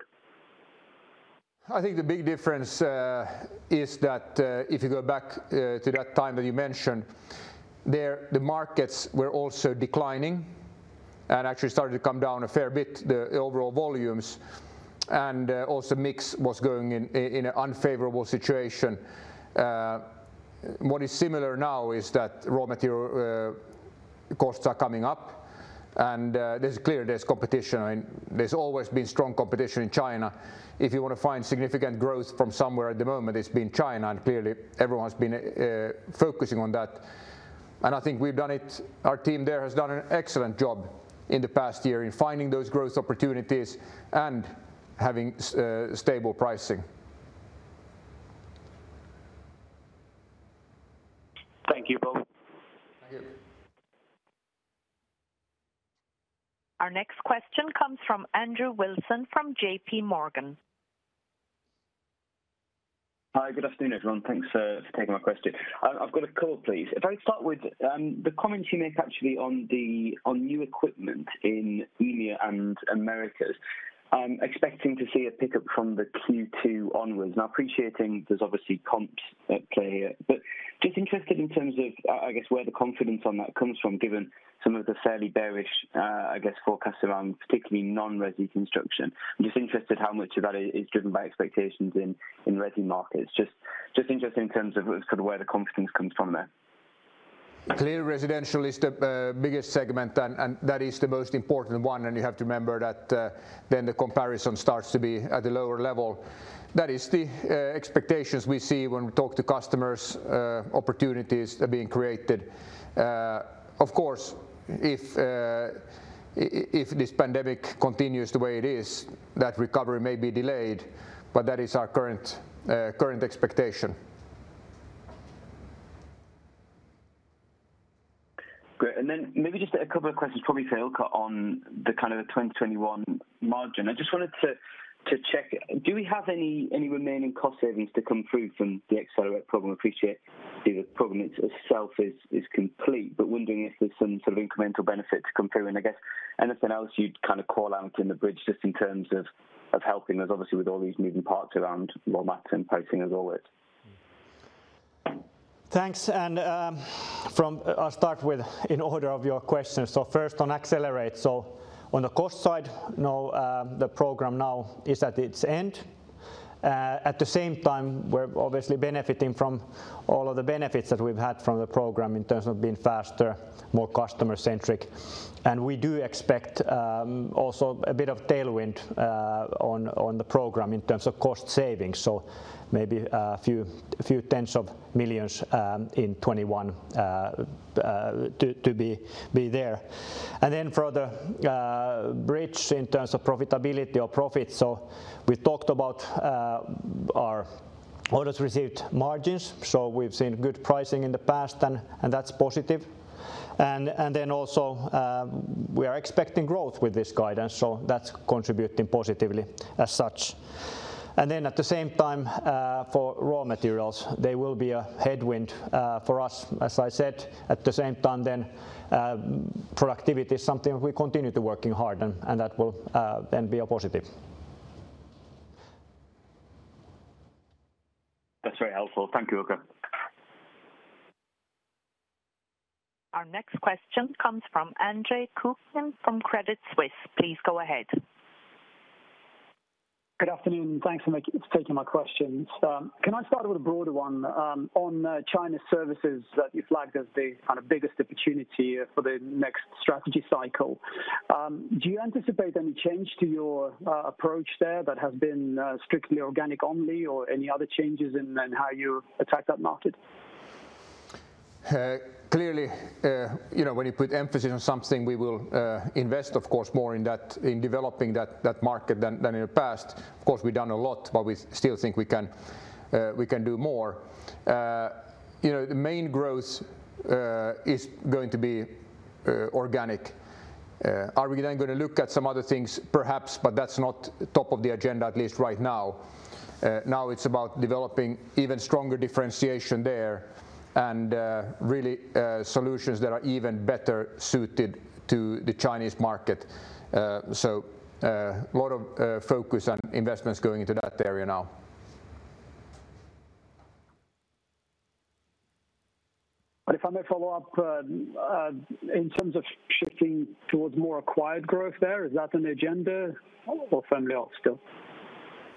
I think the big difference is that if you go back to that time that you mentioned, the markets were also declining and actually started to come down a fair bit, the overall volumes, and also mix was going in an unfavorable situation. What is similar now is that raw material costs are coming up, and it's clear there's competition, and there's always been strong competition in China. If you want to find significant growth from somewhere at the moment, it's been China, and clearly everyone's been focusing on that, and I think our team there has done an excellent job in the past year in finding those growth opportunities and having stable pricing. Thank you both. Thank you. Our next question comes from Andrew Wilson from JPMorgan. Hi, good afternoon, everyone. Thanks for taking my question. I've got a couple, please. Now appreciating there's obviously comps at play here, but just interested in terms of, I guess, where the confidence on that comes from, given some of the fairly bearish, I guess, forecasts around particularly non-resi construction. I'm just interested how much of that is driven by expectations in resi markets. Just interested in terms of sort of where the confidence comes from there. Clearly, residential is the biggest segment and that is the most important one, and you have to remember that then the comparison starts to be at a lower level. That is the expectations we see when we talk to customers, opportunities that are being created. Of course, if this pandemic continues the way it is, that recovery may be delayed, but that is our current expectation. Great. Maybe just a couple of questions probably for Ilkka on the kind of 2021 margin. I just wanted to check, do we have any remaining cost savings to come through from the Accelerate program? Appreciate the program itself is complete, but wondering if there's some sort of incremental benefit to come through. I guess anything else you'd kind of call out in the bridge just in terms of helping us obviously with all these moving parts around raw mats and pricing as always. Thanks. I'll start with in order of your questions. First on Accelerate. On the cost side, the program now is at its end. At the same time, we're obviously benefiting from all of the benefits that we've had from the program in terms of being faster, more customer centric. We do expect also a bit of tailwind on the program in terms of cost savings. Maybe EUR a few tens of millions in 2021 to be there. For the bridge in terms of profitability or profit. We talked about our orders received margins. We've seen good pricing in the past and that's positive. Also, we are expecting growth with this guidance, so that's contributing positively as such. At the same time, for raw materials, they will be a headwind for us, as I said. At the same time then, productivity is something we continue to working hard and that will then be a positive. That's very helpful. Thank you, Ilkka. Our next question comes from Andre Kukhnin from Credit Suisse. Please go ahead. Good afternoon. Thanks for taking my questions. Can I start with a broader one? On China services that you flagged as the kind of biggest opportunity for the next strategy cycle, do you anticipate any change to your approach there that has been strictly organic only, or any other changes in how you attack that market? Clearly, when you put emphasis on something, we will invest, of course, more in developing that market than in the past. Of course, we've done a lot, but we still think we can do more. The main growth is going to be organic. Are we going to look at some other things? Perhaps, that's not top of the agenda, at least right now. It's about developing even stronger differentiation there and really solutions that are even better suited to the Chinese market. A lot of focus on investments going into that area now. If I may follow up, in terms of shifting towards more acquired growth there, is that on the agenda or firmly off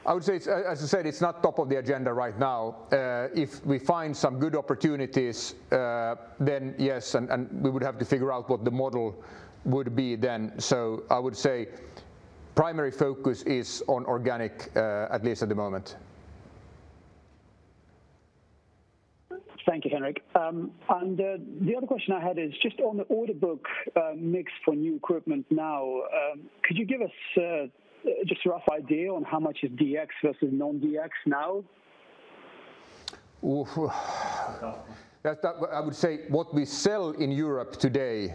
still? I would say, as I said, it's not top of the agenda right now. If we find some good opportunities, then yes, and we would have to figure out what the model would be then. I would say primary focus is on organic, at least at the moment. Thank you, Henrik. The other question I had is just on the order book mix for new equipment now. Could you give us just a rough idea on how much is DX versus non-DX now? I would say what we sell in Europe today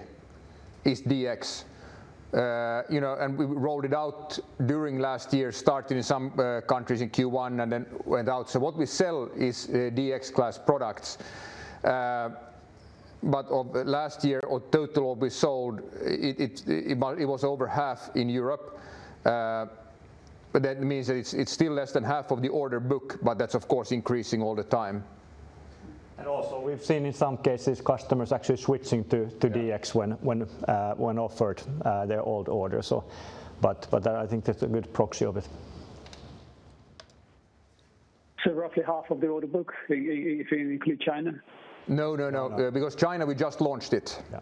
is DX. We rolled it out during last year, starting in some countries in Q1, and then went out. What we sell is DX Class products. Of last year or total what we sold, it was over half in Europe. That means that it's still less than half of the order book, but that's of course increasing all the time. Also we've seen in some cases customers actually switching to DX when offered their old order. I think that's a good proxy of it. Roughly half of the order book if you include China? No, because China, we just launched it. Yeah.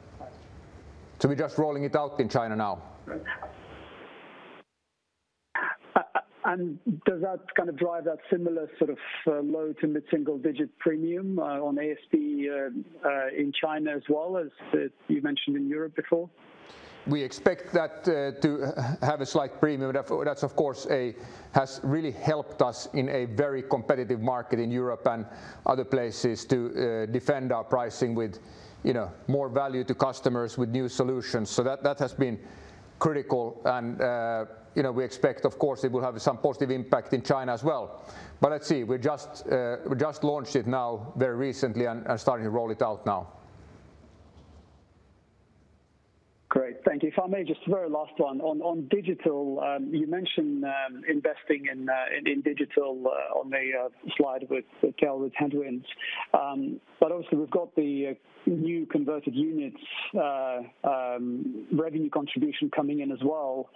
We're just rolling it out in China now. Right. Does that kind of drive that similar sort of low to mid-single-digit premium on ASP in China as well as you mentioned in Europe before? We expect that to have a slight premium. That, of course, has really helped us in a very competitive market in Europe and other places to defend our pricing with more value to customers with new solutions. That has been critical and we expect, of course, it will have some positive impact in China as well. Let's see. We just launched it now very recently and are starting to roll it out now. Great. Thank you. If I may, just a very last one. On digital, you mentioned investing in digital on the slide with tailwinds. Also we've got the new converted units revenue contribution coming in as well.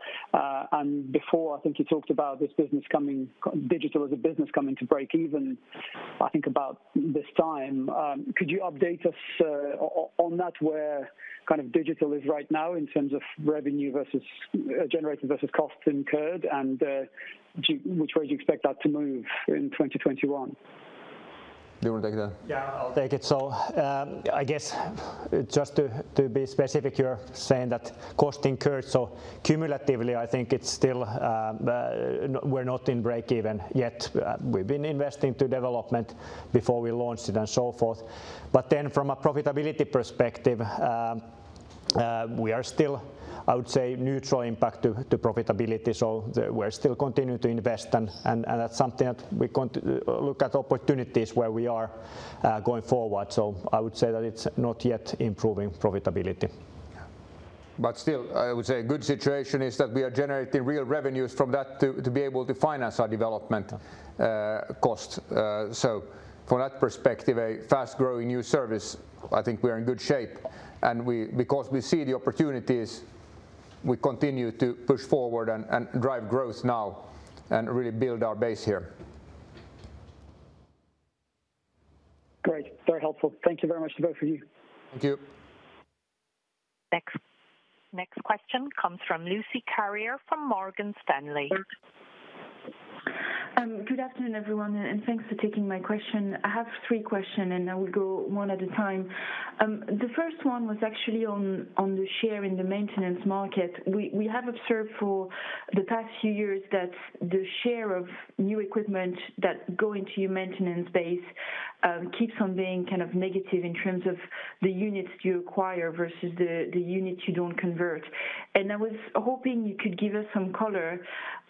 Before, I think you talked about digital as a business coming to break even, I think about this time. Could you update us on that, where digital is right now in terms of revenue generated versus costs incurred, and which way do you expect that to move in 2021? Do you want to take that? Yeah, I'll take it. I guess just to be specific, you're saying that cost incurred. Cumulatively, I think it's still we're not in break even yet. We've been investing to development before we launched it and so forth. From a profitability perspective, we are still, I would say, neutral impact to profitability. We're still continuing to invest, and that's something that we look at opportunities where we are going forward. I would say that it's not yet improving profitability. Still, I would say a good situation is that we are generating real revenues from that to be able to finance our development cost. From that perspective, a fast-growing new service, I think we are in good shape. Because we see the opportunities, we continue to push forward and drive growth now and really build our base here. Great. Very helpful. Thank you very much to both of you. Thank you. Next question comes from Lucie Carrier from Morgan Stanley. Good afternoon, everyone. Thanks for taking my question. I have three question. I will go one at a time. The first one was actually on the share in the maintenance market. We have observed for the past few years that the share of new equipment that go into your maintenance base keeps on being kind of negative in terms of the units you acquire versus the units you don't convert. I was hoping you could give us some color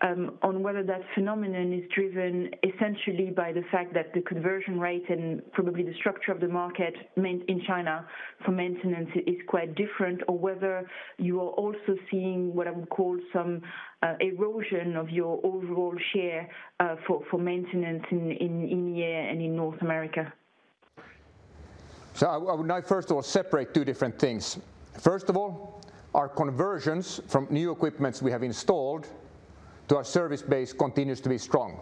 on whether that phenomenon is driven essentially by the fact that the conversion rate and probably the structure of the market in China for maintenance is quite different, or whether you are also seeing what I would call some erosion of your overall share for maintenance in EMEA and in North America. I would now first of all separate two different things. First of all, our conversions from new equipments we have installed to our service base continues to be strong.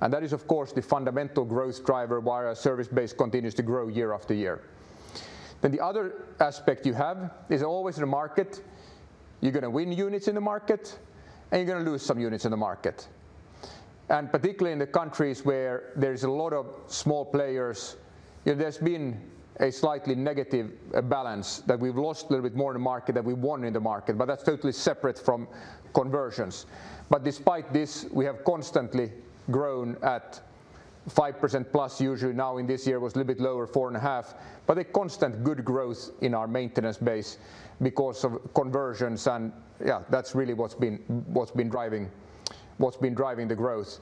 That is, of course, the fundamental growth driver why our service base continues to grow year after year. The other aspect you have is always in the market, you're going to win units in the market, and you're going to lose some units in the market. Particularly in the countries where there is a lot of small players, there's been a slightly negative balance that we've lost a little bit more in the market than we've won in the market, but that's totally separate from conversions. Despite this, we have constantly grown at 5%+, usually now in this year was a little bit lower, 4.5%, and yeah, that's really what's been driving the growth.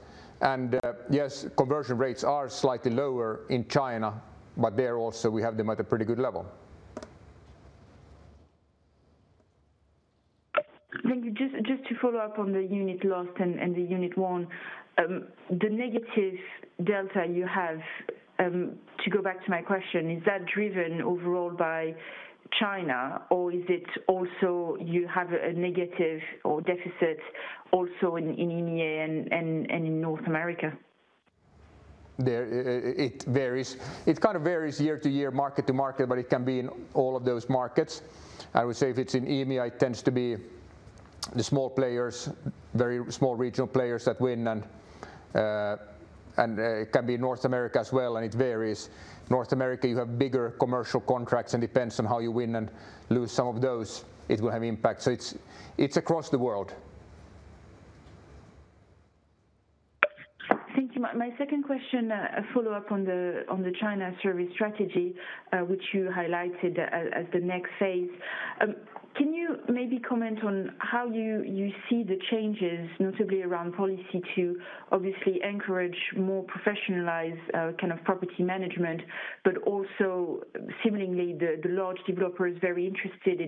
Yes, conversion rates are slightly lower in China, but there also, we have them at a pretty good level. Thank you. Just to follow up on the unit lost and the unit won, the negative delta you have, to go back to my question, is that driven overall by China or is it also you have a negative or deficit also in EMEA and in North America? It varies. It kind of varies year to year, market to market. It can be in all of those markets. I would say if it's in EMEA, it tends to be the small players, very small regional players that win. It can be North America as well. It varies. North America, you have bigger commercial contracts. It depends on how you win and lose some of those, it will have impact. It's across the world. Thank you. My second question, a follow-up on the China service strategy, which you highlighted as the next phase. Can you maybe comment on how you see the changes, notably around policy to obviously encourage more professionalized kind of property management, but also seemingly the large developer is very interested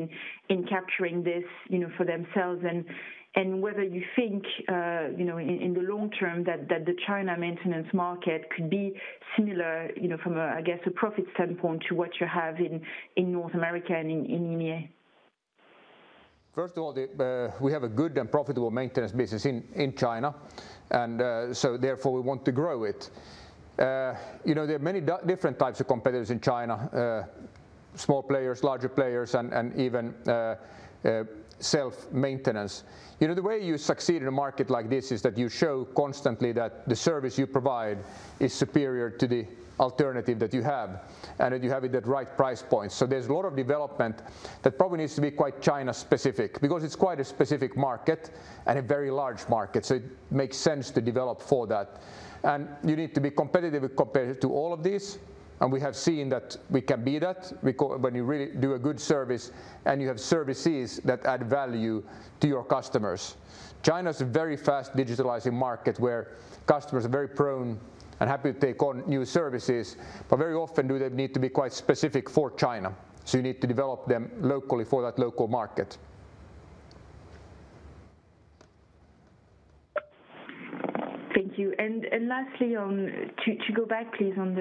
in capturing this for themselves and whether you think, in the long term that the China maintenance market could be similar from, I guess, a profit standpoint to what you have in North America and in EMEA? First of all, we have a good and profitable maintenance business in China, therefore we want to grow it. There are many different types of competitors in China, small players, larger players, and even self-maintenance. The way you succeed in a market like this is that you show constantly that the service you provide is superior to the alternative that you have, and that you have it at right price points. There's a lot of development that probably needs to be quite China-specific, because it's quite a specific market and a very large market, it makes sense to develop for that. You need to be competitive compared to all of these, we have seen that we can be that when you really do a good service and you have services that add value to your customers. China is a very fast digitalizing market where customers are very prone and happy to take on new services, but very often do they need to be quite specific for China. You need to develop them locally for that local market. Thank you. Lastly, to go back please on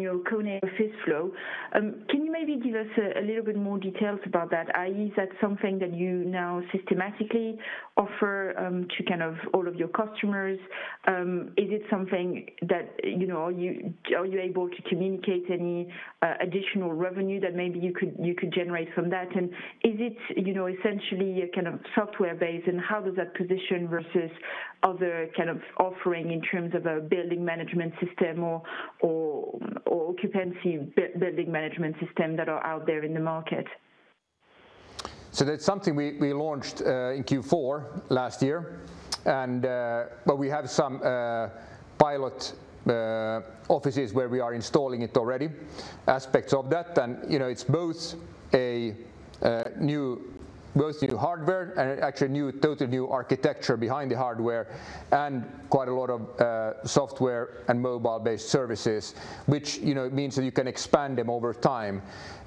your KONE Office Flow. Can you maybe give us a little bit more details about that, i.e., is that something that you now systematically offer to kind of all of your customers? Are you able to communicate any additional revenue that maybe you could generate from that? Is it essentially a kind of software-based, and how does that position versus other kind of offering in terms of a building management system or occupancy building management system that are out there in the market? That's something we launched in Q4 last year. We have some pilot offices where we are installing it already, aspects of that, and it's both new hardware and actually totally new architecture behind the hardware and quite a lot of software and mobile-based services, which means that you can expand them over time.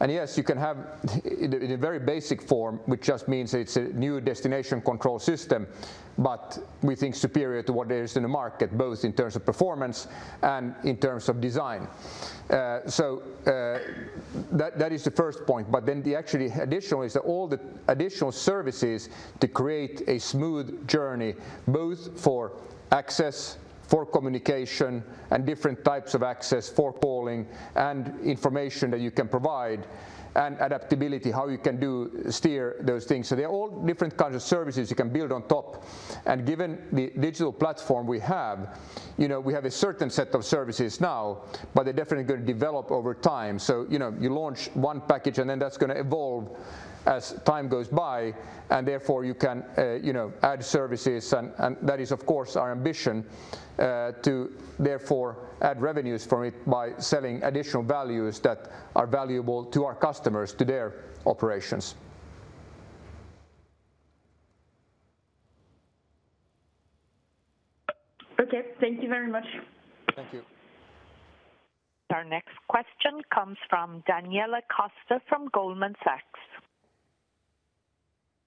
Yes, you can have in a very basic form, which just means it's a new destination control system, but we think superior to what there is in the market, both in terms of performance and in terms of design. That is the first point. Actually additionally is that all the additional services to create a smooth journey, both for access, for communication and different types of access for calling and information that you can provide, and adaptability, how you can steer those things. They're all different kinds of services you can build on top. Given the digital platform we have, we have a certain set of services now, but they're definitely going to develop over time. You launch one package, and then that's going to evolve as time goes by, and therefore you can add services, and that is, of course, our ambition to therefore add revenues for it by selling additional values that are valuable to our customers, to their operations. Okay. Thank you very much. Thank you. Our next question comes from Daniela Costa from Goldman Sachs.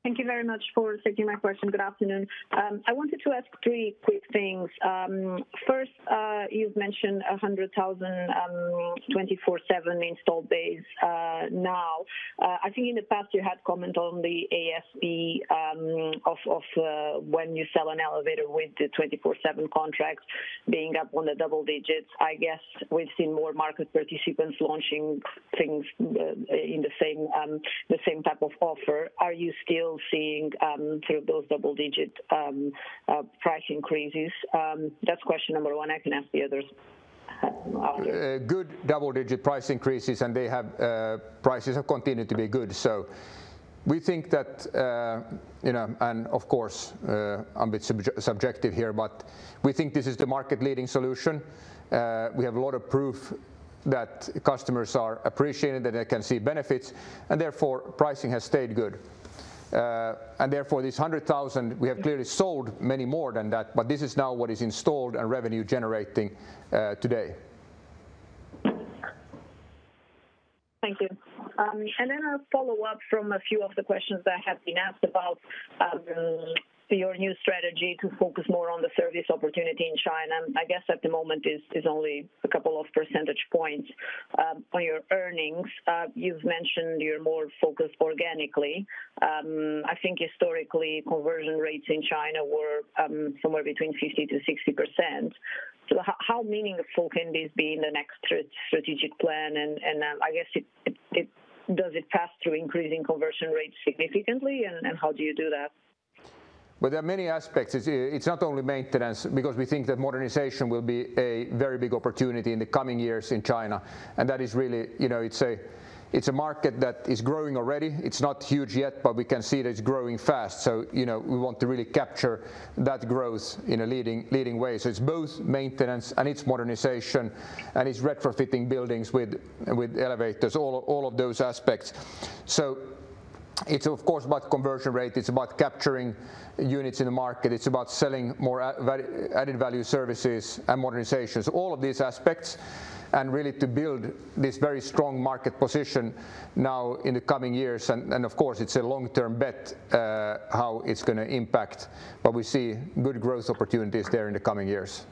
Thank you very much for taking my question. Good afternoon. I wanted to ask three quick things. First, you've mentioned 100,000 24/7 installed base now. I think in the past you had comment on the ASP of when you sell an elevator with the 24/7 contract being up on the double digits. I guess we've seen more market participants launching things in the same type of offer. Are you still seeing through those double-digit price increases? That's question number 1, I can ask the others after. Good double-digit price increases. Prices have continued to be good. We think that, and of course, I'm a bit subjective here, but we think this is the market-leading solution. We have a lot of proof that customers are appreciating, that they can see benefits, and therefore pricing has stayed good. Therefore, this 100,000, we have clearly sold many more than that, but this is now what is installed and revenue generating today. Thank you. A follow-up from a few of the questions that have been asked about your new strategy to focus more on the service opportunity in China. I guess at the moment it's only a couple of percentage points on your earnings. You've mentioned you're more focused organically. I think historically conversion rates in China were somewhere between 50%-60%. How meaningful can this be in the next strategic plan? I guess, does it pass through increasing conversion rates significantly, and how do you do that? Well, there are many aspects. It's not only maintenance, because we think that modernization will be a very big opportunity in the coming years in China. That is really a market that is growing already. It's not huge yet, but we can see that it's growing fast. We want to really capture that growth in a leading way. It's both maintenance, and it's modernization, and it's retrofitting buildings with elevators, all of those aspects. It's of course about conversion rate. It's about capturing units in the market. It's about selling more added-value services and modernizations, all of these aspects, and really to build this very strong market position now in the coming years. Of course, it's a long-term bet how it's going to impact, but we see good growth opportunities there in the coming years.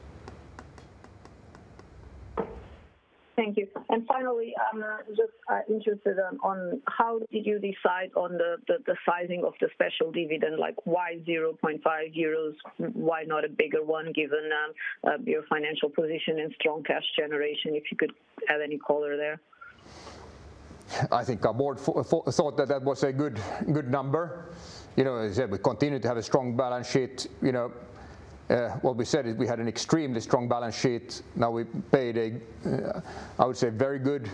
Thank you. Finally, I'm just interested on how did you decide on the sizing of the special dividend, like why 0.50 euros? Why not a bigger one given your financial position and strong cash generation? If you could add any color there. I think our board thought that that was a good number. As I said, we continue to have a strong balance sheet. What we said is we had an extremely strong balance sheet. Now we paid a, I would say, very good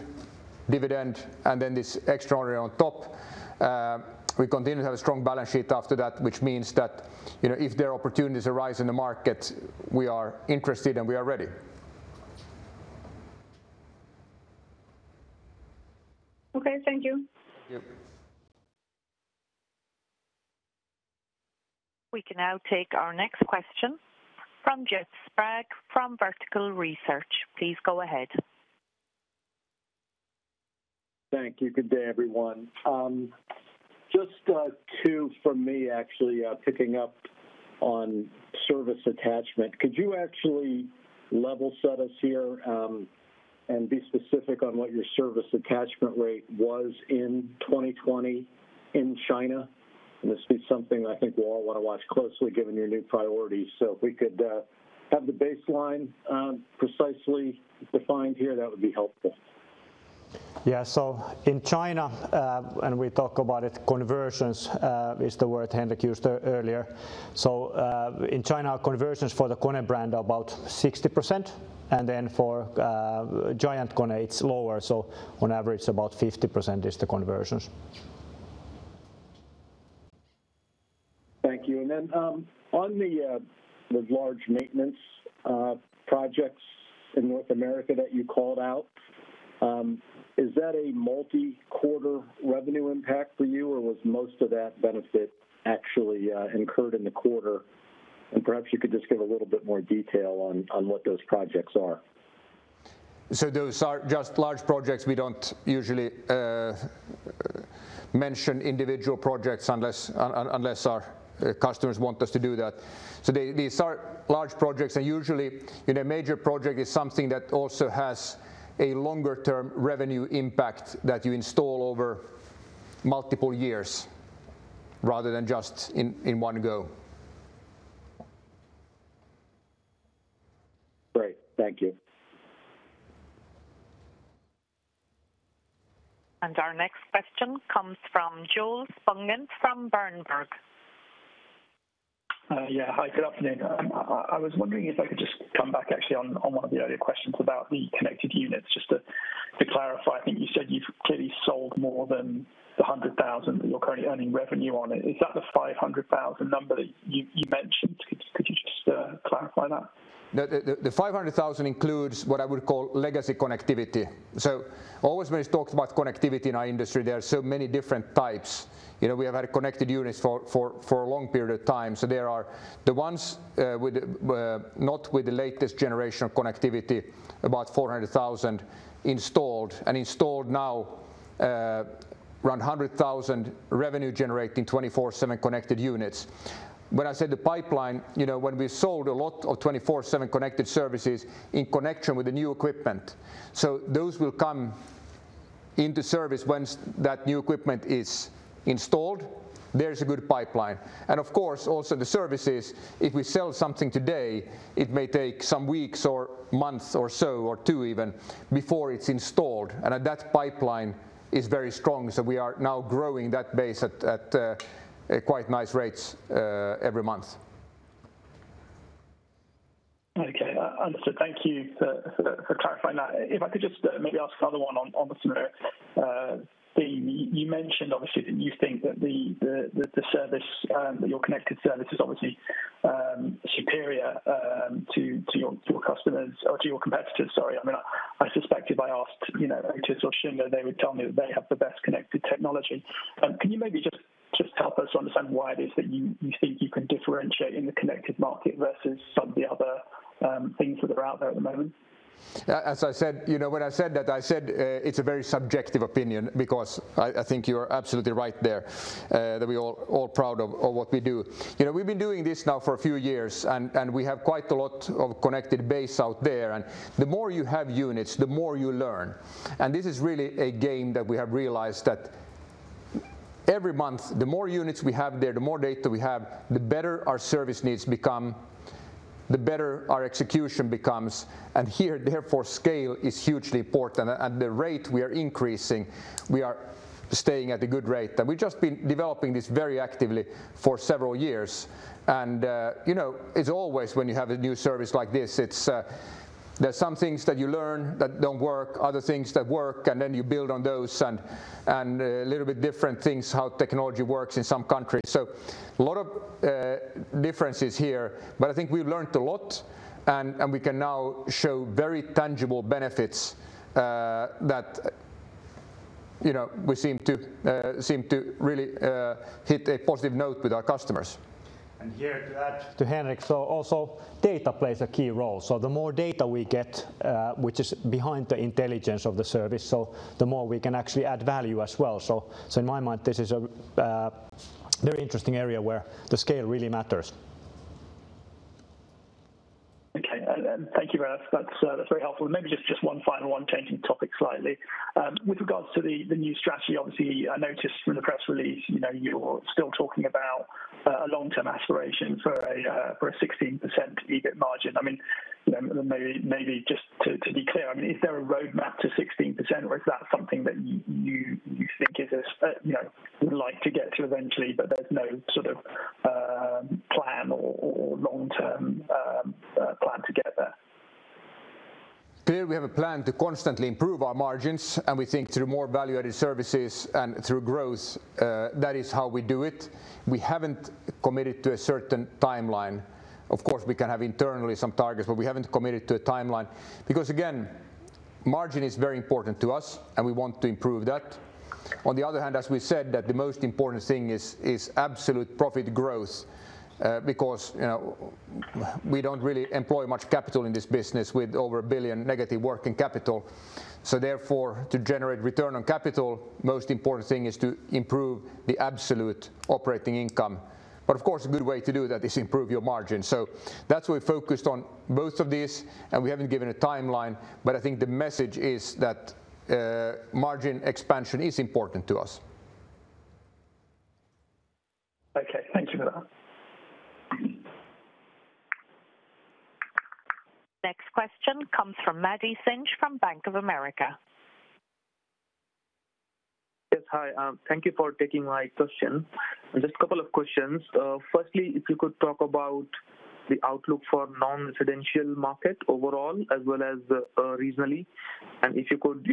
dividend, and then this extraordinary on top. We continue to have a strong balance sheet after that, which means that if there are opportunities arise in the market, we are interested, and we are ready. Okay. Thank you. Thank you. We can now take our next question from Jeff Sprague from Vertical Research. Please go ahead. Thank you. Good day, everyone. Just two from me actually, picking up on service attachment. Could you actually level set us here, and be specific on what your service attachment rate was in 2020 in China? This is something I think we all want to watch closely given your new priorities. If we could have the baseline precisely defined here, that would be helpful. In China, and we talk about it, conversions is the word Henrik used earlier. In China, conversions for the KONE brand are about 60%, and then for GiantKONE, it's lower, so on average about 50% is the conversions. Thank you. On those large maintenance projects in North America that you called out, is that a multi-quarter revenue impact for you, or was most of that benefit actually incurred in the quarter? Perhaps you could just give a little bit more detail on what those projects are? Those are just large projects. We don't usually mention individual projects unless our customers want us to do that. These are large projects, and usually a major project is something that also has a longer-term revenue impact that you install over multiple years rather than just in one go. Great. Thank you. Our next question comes from Joel Spungin from Berenberg. Yeah. Hi, good afternoon. I was wondering if I could just come back actually on one of the earlier questions about the connected units. Just to clarify, I think you said you've clearly sold more than the 100,000 that you're currently earning revenue on. Is that the 500,000 number that you mentioned? To clarify that. The 500,000 includes what I would call legacy connectivity. Always when it's talked about connectivity in our industry, there are so many different types. We have had connected units for a long period of time. There are the ones not with the latest generation of connectivity, about 400,000 installed and installed now around 100,000 revenue-generating 24/7 Connected units. When I said the pipeline, when we sold a lot of 24/7 Connected Services in connection with the new equipment. Those will come into service once that new equipment is installed. There's a good pipeline. Of course, also the services, if we sell something today, it may take some weeks or months or so, or two even, before it's installed. That pipeline is very strong. We are now growing that base at quite nice rates every month. Okay. Understood. Thank you for clarifying that. I could just maybe ask another one on the similar theme. You mentioned, obviously, that you think that your connected service is obviously superior to your customers or to your competitors, sorry. I suspect if I asked Otis or Schindler, they would tell me that they have the best connected technology. Can you maybe just help us understand why it is that you think you can differentiate in the connected market versus some of the other things that are out there at the moment? As I said, when I said that, I said it's a very subjective opinion because I think you're absolutely right there, that we're all proud of what we do. We've been doing this now for a few years, and we have quite a lot of connected base out there. The more you have units, the more you learn. This is really a game that we have realized that every month, the more units we have there, the more data we have, the better our service needs become, the better our execution becomes. Here, therefore, scale is hugely important, and the rate we are increasing, we are staying at a good rate. That we've just been developing this very actively for several years. It's always when you have a new service like this, there's some things that you learn that don't work, other things that work, and then you build on those and a little bit different things, how technology works in some countries. A lot of differences here, but I think we've learned a lot, and we can now show very tangible benefits that we seem to really hit a positive note with our customers. Here to add to Henrik, also data plays a key role. The more data we get, which is behind the intelligence of the service, so the more we can actually add value as well. In my mind, this is a very interesting area where the scale really matters. Okay. Thank you for that. That's very helpful. Maybe just one final one, changing topic slightly. With regards to the new strategy, obviously, I noticed from the press release, you're still talking about a long-term aspiration for a 16% EBIT margin. Maybe just to be clear, is there a roadmap to 16% or is that something that you think would like to get to eventually, but there's no plan or long-term plan to get there? Clearly, we have a plan to constantly improve our margins. We think through more value-added services and through growth, that is how we do it. We haven't committed to a certain timeline. Of course, we can have internally some targets. We haven't committed to a timeline. Again, margin is very important to us. We want to improve that. On the other hand, as we said, that the most important thing is absolute profit growth. We don't really employ much capital in this business with over 1 billion negative working capital. Therefore, to generate return on capital, most important thing is to improve the absolute operating income. Of course, a good way to do that is improve your margin. That's why we focused on both of these, and we haven't given a timeline, but I think the message is that margin expansion is important to us. Okay. Thank you for that. Next question comes from Maddy Singh from Bank of America. Yes, hi. Thank you for taking my question. Just a couple of questions. Firstly, if you could talk about the outlook for non-residential market overall as well as regionally, and if you could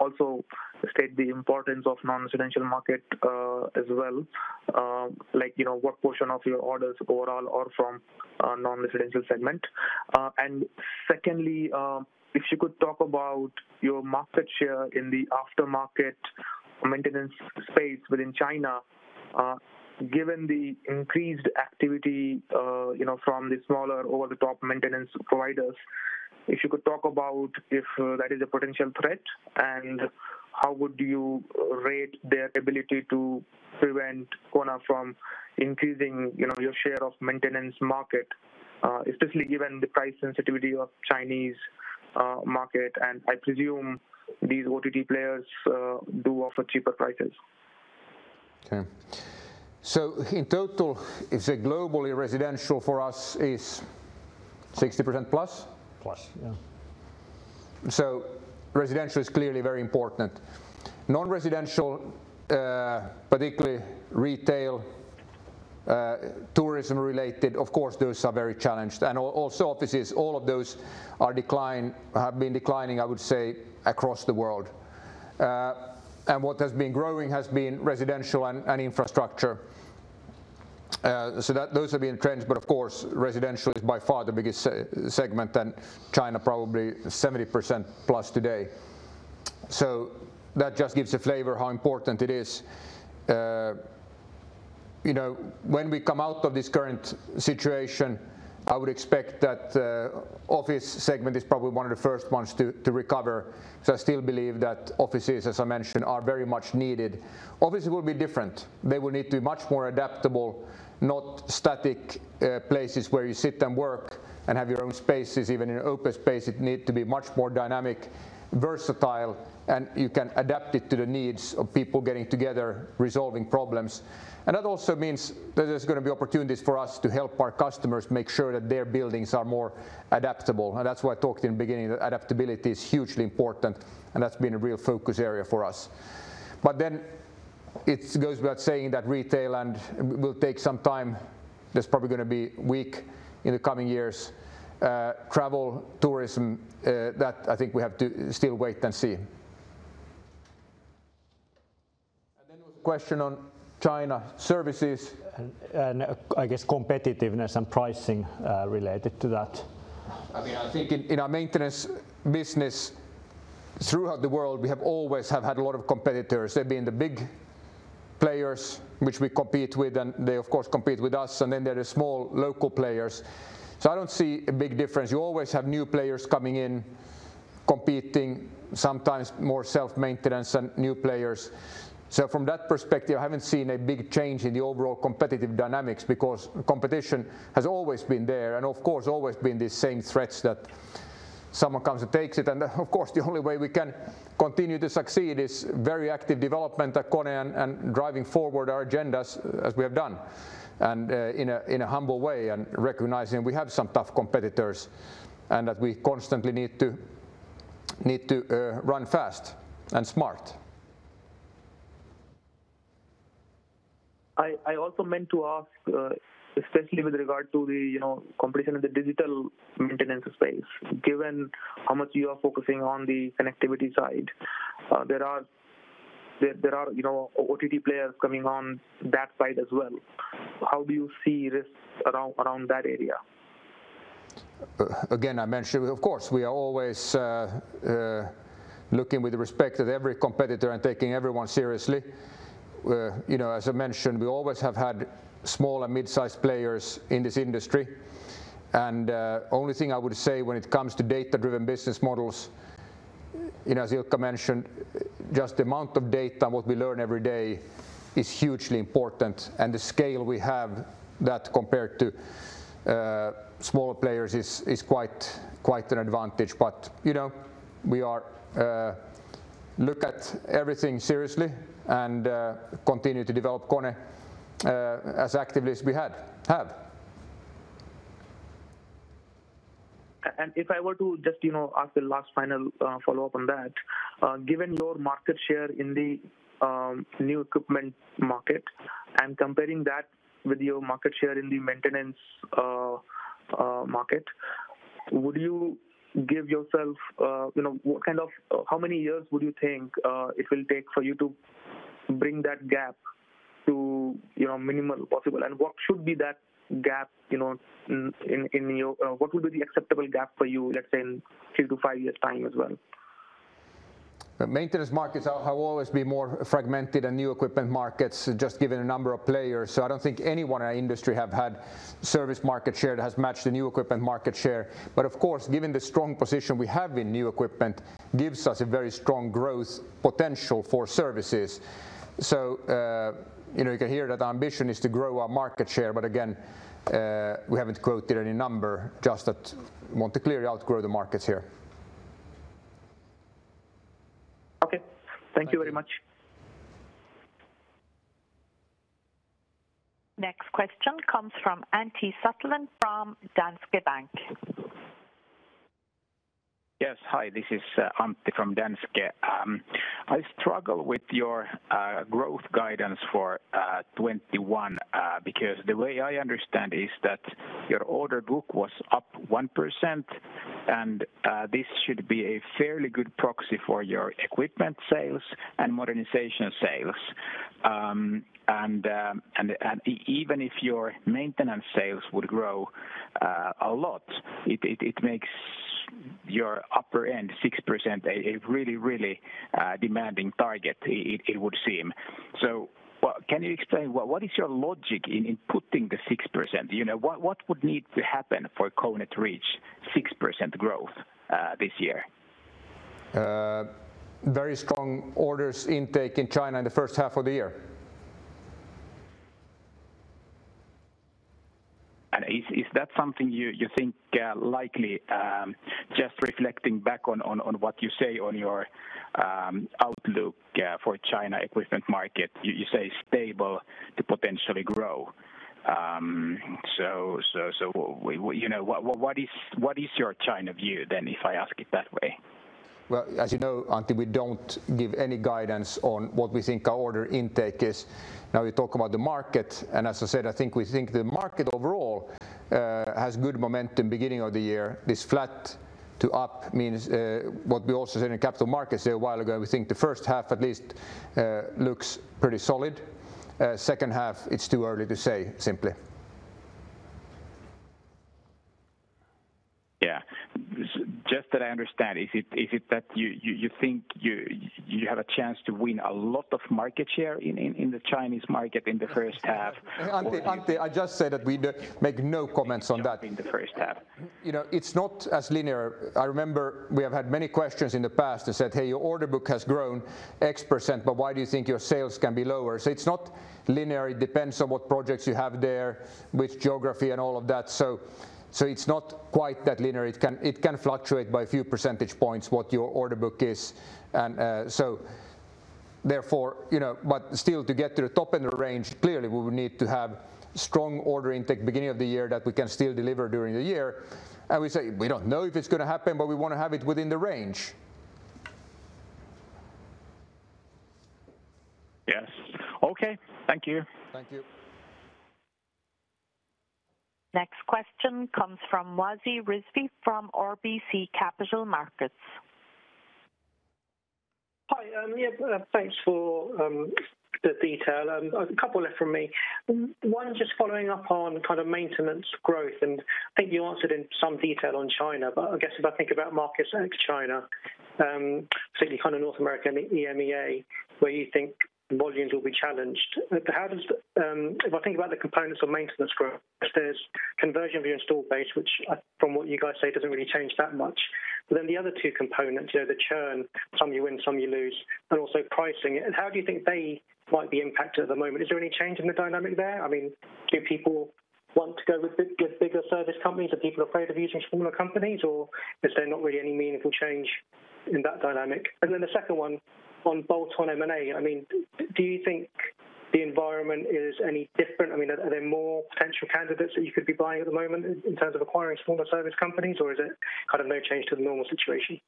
also state the importance of non-residential market as well, like what portion of your orders overall are from non-residential segment? Secondly, if you could talk about your market share in the aftermarket maintenance space within China, given the increased activity from the smaller over-the-top maintenance providers. If you could talk about if that is a potential threat, and how would you rate their ability to prevent KONE from increasing your share of maintenance market, especially given the price sensitivity of Chinese market, and I presume these OTT players do offer cheaper prices. Okay. In total, I'd say globally, residential for us is 60%+? Plus, yeah. Residential is clearly very important. Non-residential, particularly retail, tourism-related, of course, those are very challenged. Also offices. All of those have been declining, I would say, across the world. What has been growing has been residential and infrastructure. Those have been trends, but of course, residential is by far the biggest segment, and China probably 70%+ today. That just gives a flavor of how important it is. When we come out of this current situation, I would expect that office segment is probably one of the first ones to recover. I still believe that offices, as I mentioned, are very much needed. Offices will be different. They will need to be much more adaptable, not static places where you sit and work and have your own spaces, even in an open space. It need to be much more dynamic, versatile, and you can adapt it to the needs of people getting together, resolving problems. That also means that there's going to be opportunities for us to help our customers make sure that their buildings are more adaptable. That's why I talked in the beginning, that adaptability is hugely important, and that's been a real focus area for us. It goes without saying that retail will take some time, that's probably going to be weak in the coming years. Travel, tourism, that I think we have to still wait and see. There was a question on China services. I guess competitiveness and pricing related to that. I think in our maintenance business throughout the world, we have always had a lot of competitors. There've been the big players which we compete with, they of course, compete with us, then there are small local players. I don't see a big difference. You always have new players coming in, competing, sometimes more self-maintenance and new players. From that perspective, I haven't seen a big change in the overall competitive dynamics because competition has always been there, of course, always been these same threats that someone comes and takes it. Of course, the only way we can continue to succeed is very active development at KONE driving forward our agendas as we have done, in a humble way recognizing we have some tough competitors, that we constantly need to run fast and smart. I also meant to ask, especially with regard to the competition in the digital maintenance space, given how much you are focusing on the connectivity side, there are OTT players coming on that side as well. How do you see risks around that area? Again, I mentioned, of course, we are always looking with respect at every competitor and taking everyone seriously. As I mentioned, we always have had small and midsize players in this industry, and only thing I would say when it comes to data-driven business models, as Ilkka mentioned, just the amount of data, what we learn every day is hugely important, and the scale we have that compared to smaller players is quite an advantage. We look at everything seriously and continue to develop KONE as actively as we have. If I were to just ask a last final follow-up on that, given your market share in the new equipment market and comparing that with your market share in the maintenance market, how many years would you think it will take for you to bring that gap to minimal possible? What would be the acceptable gap for you, let's say in three to five years time as well? Maintenance markets have always been more fragmented than new equipment markets, just given a number of players. I don't think anyone in our industry have had service market share that has matched the new equipment market share. Of course, given the strong position we have in new equipment, gives us a very strong growth potential for services. You can hear that our ambition is to grow our market share. Again, we haven't quoted any number, just that we want to clearly outgrow the markets here. Okay. Thank you very much. Next question comes from Antti Suttelin from Danske Bank. Yes. Hi, this is Antti from Danske. I struggle with your growth guidance for 2021, because the way I understand is that your order book was up 1%, and this should be a fairly good proxy for your equipment sales and modernization sales. Even if your maintenance sales would grow a lot, it makes your upper end 6% a really demanding target, it would seem. Can you explain what is your logic in putting the 6%? What would need to happen for KONE to reach 6% growth this year? Very strong orders intake in China in the first half of the year. Is that something you think likely, just reflecting back on what you say on your outlook for China equipment market, you say stable to potentially grow. What is your China view then, if I ask it that way? Well, as you know, Antti, we don't give any guidance on what we think our order intake is. Now we talk about the market, and as I said, I think we think the market overall has good momentum beginning of the year. This flat to up means what we also said in capital markets here a while ago, we think the first half at least looks pretty solid. Second half, it's too early to say, simply. That I understand, is it that you think you have a chance to win a lot of market share in the Chinese market in the first half? Andre, I just said that we make no comments on that. In the first half. It's not as linear. I remember we have had many questions in the past that said, "Hey, your order book has grown X percent, but why do you think your sales can be lower?" It's not linear. It depends on what projects you have there, which geography and all of that. It's not quite that linear. It can fluctuate by a few percentage points what your order book is. Still to get to the top end of the range, clearly, we would need to have strong order intake beginning of the year that we can still deliver during the year. We say we don't know if it's going to happen, but we want to have it within the range. Yes. Okay. Thank you. Thank you. Next question comes from Wasi Rizvi from RBC Capital Markets. Hi. Yeah, thanks for the detail. A couple left from me. One just following up on kind of maintenance growth, and I think you answered in some detail on China, but I guess if I think about markets ex China, particularly North America and the EMEA, where you think volumes will be challenged. If I think about the components of maintenance growth, there's conversion of your installed base, which from what you guys say doesn't really change that much. The other two components, the churn, some you win, some you lose, and also pricing. How do you think they might be impacted at the moment? Is there any change in the dynamic there? Do people want to go with bigger service companies? Are people afraid of using smaller companies? Is there not really any meaningful change in that dynamic? The second one on bolt-on M&A. Do you think the environment is any different? Are there more potential candidates that you could be buying at the moment in terms of acquiring smaller service companies? Is it kind of no change to the normal situation?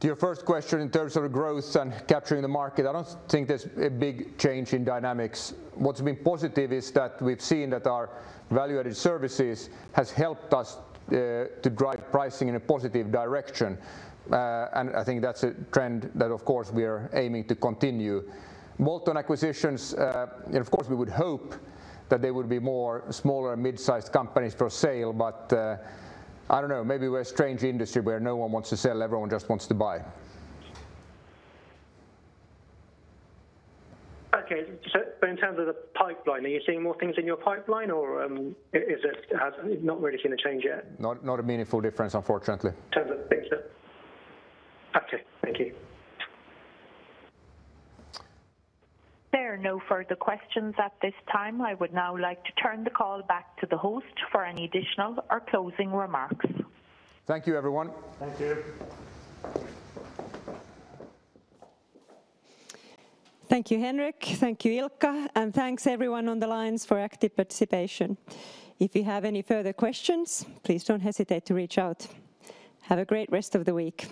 To your first question in terms of growth and capturing the market, I don't think there's a big change in dynamics. What's been positive is that we've seen that our value-added services has helped us to drive pricing in a positive direction. I think that's a trend that of course we are aiming to continue. Bolt-on acquisitions, of course we would hope that there would be more smaller mid-sized companies for sale. I don't know, maybe we're a strange industry where no one wants to sell, everyone just wants to buy. Okay. In terms of the pipeline, are you seeing more things in your pipeline, or has it not really seen a change yet? Not a meaningful difference, unfortunately. In terms of things that. Okay. Thank you. There are no further questions at this time. I would now like to turn the call back to the host for any additional or closing remarks. Thank you, everyone. Thank you. Thank you, Henrik. Thank you, Ilkka, and thanks everyone on the lines for active participation. If you have any further questions, please don't hesitate to reach out. Have a great rest of the week.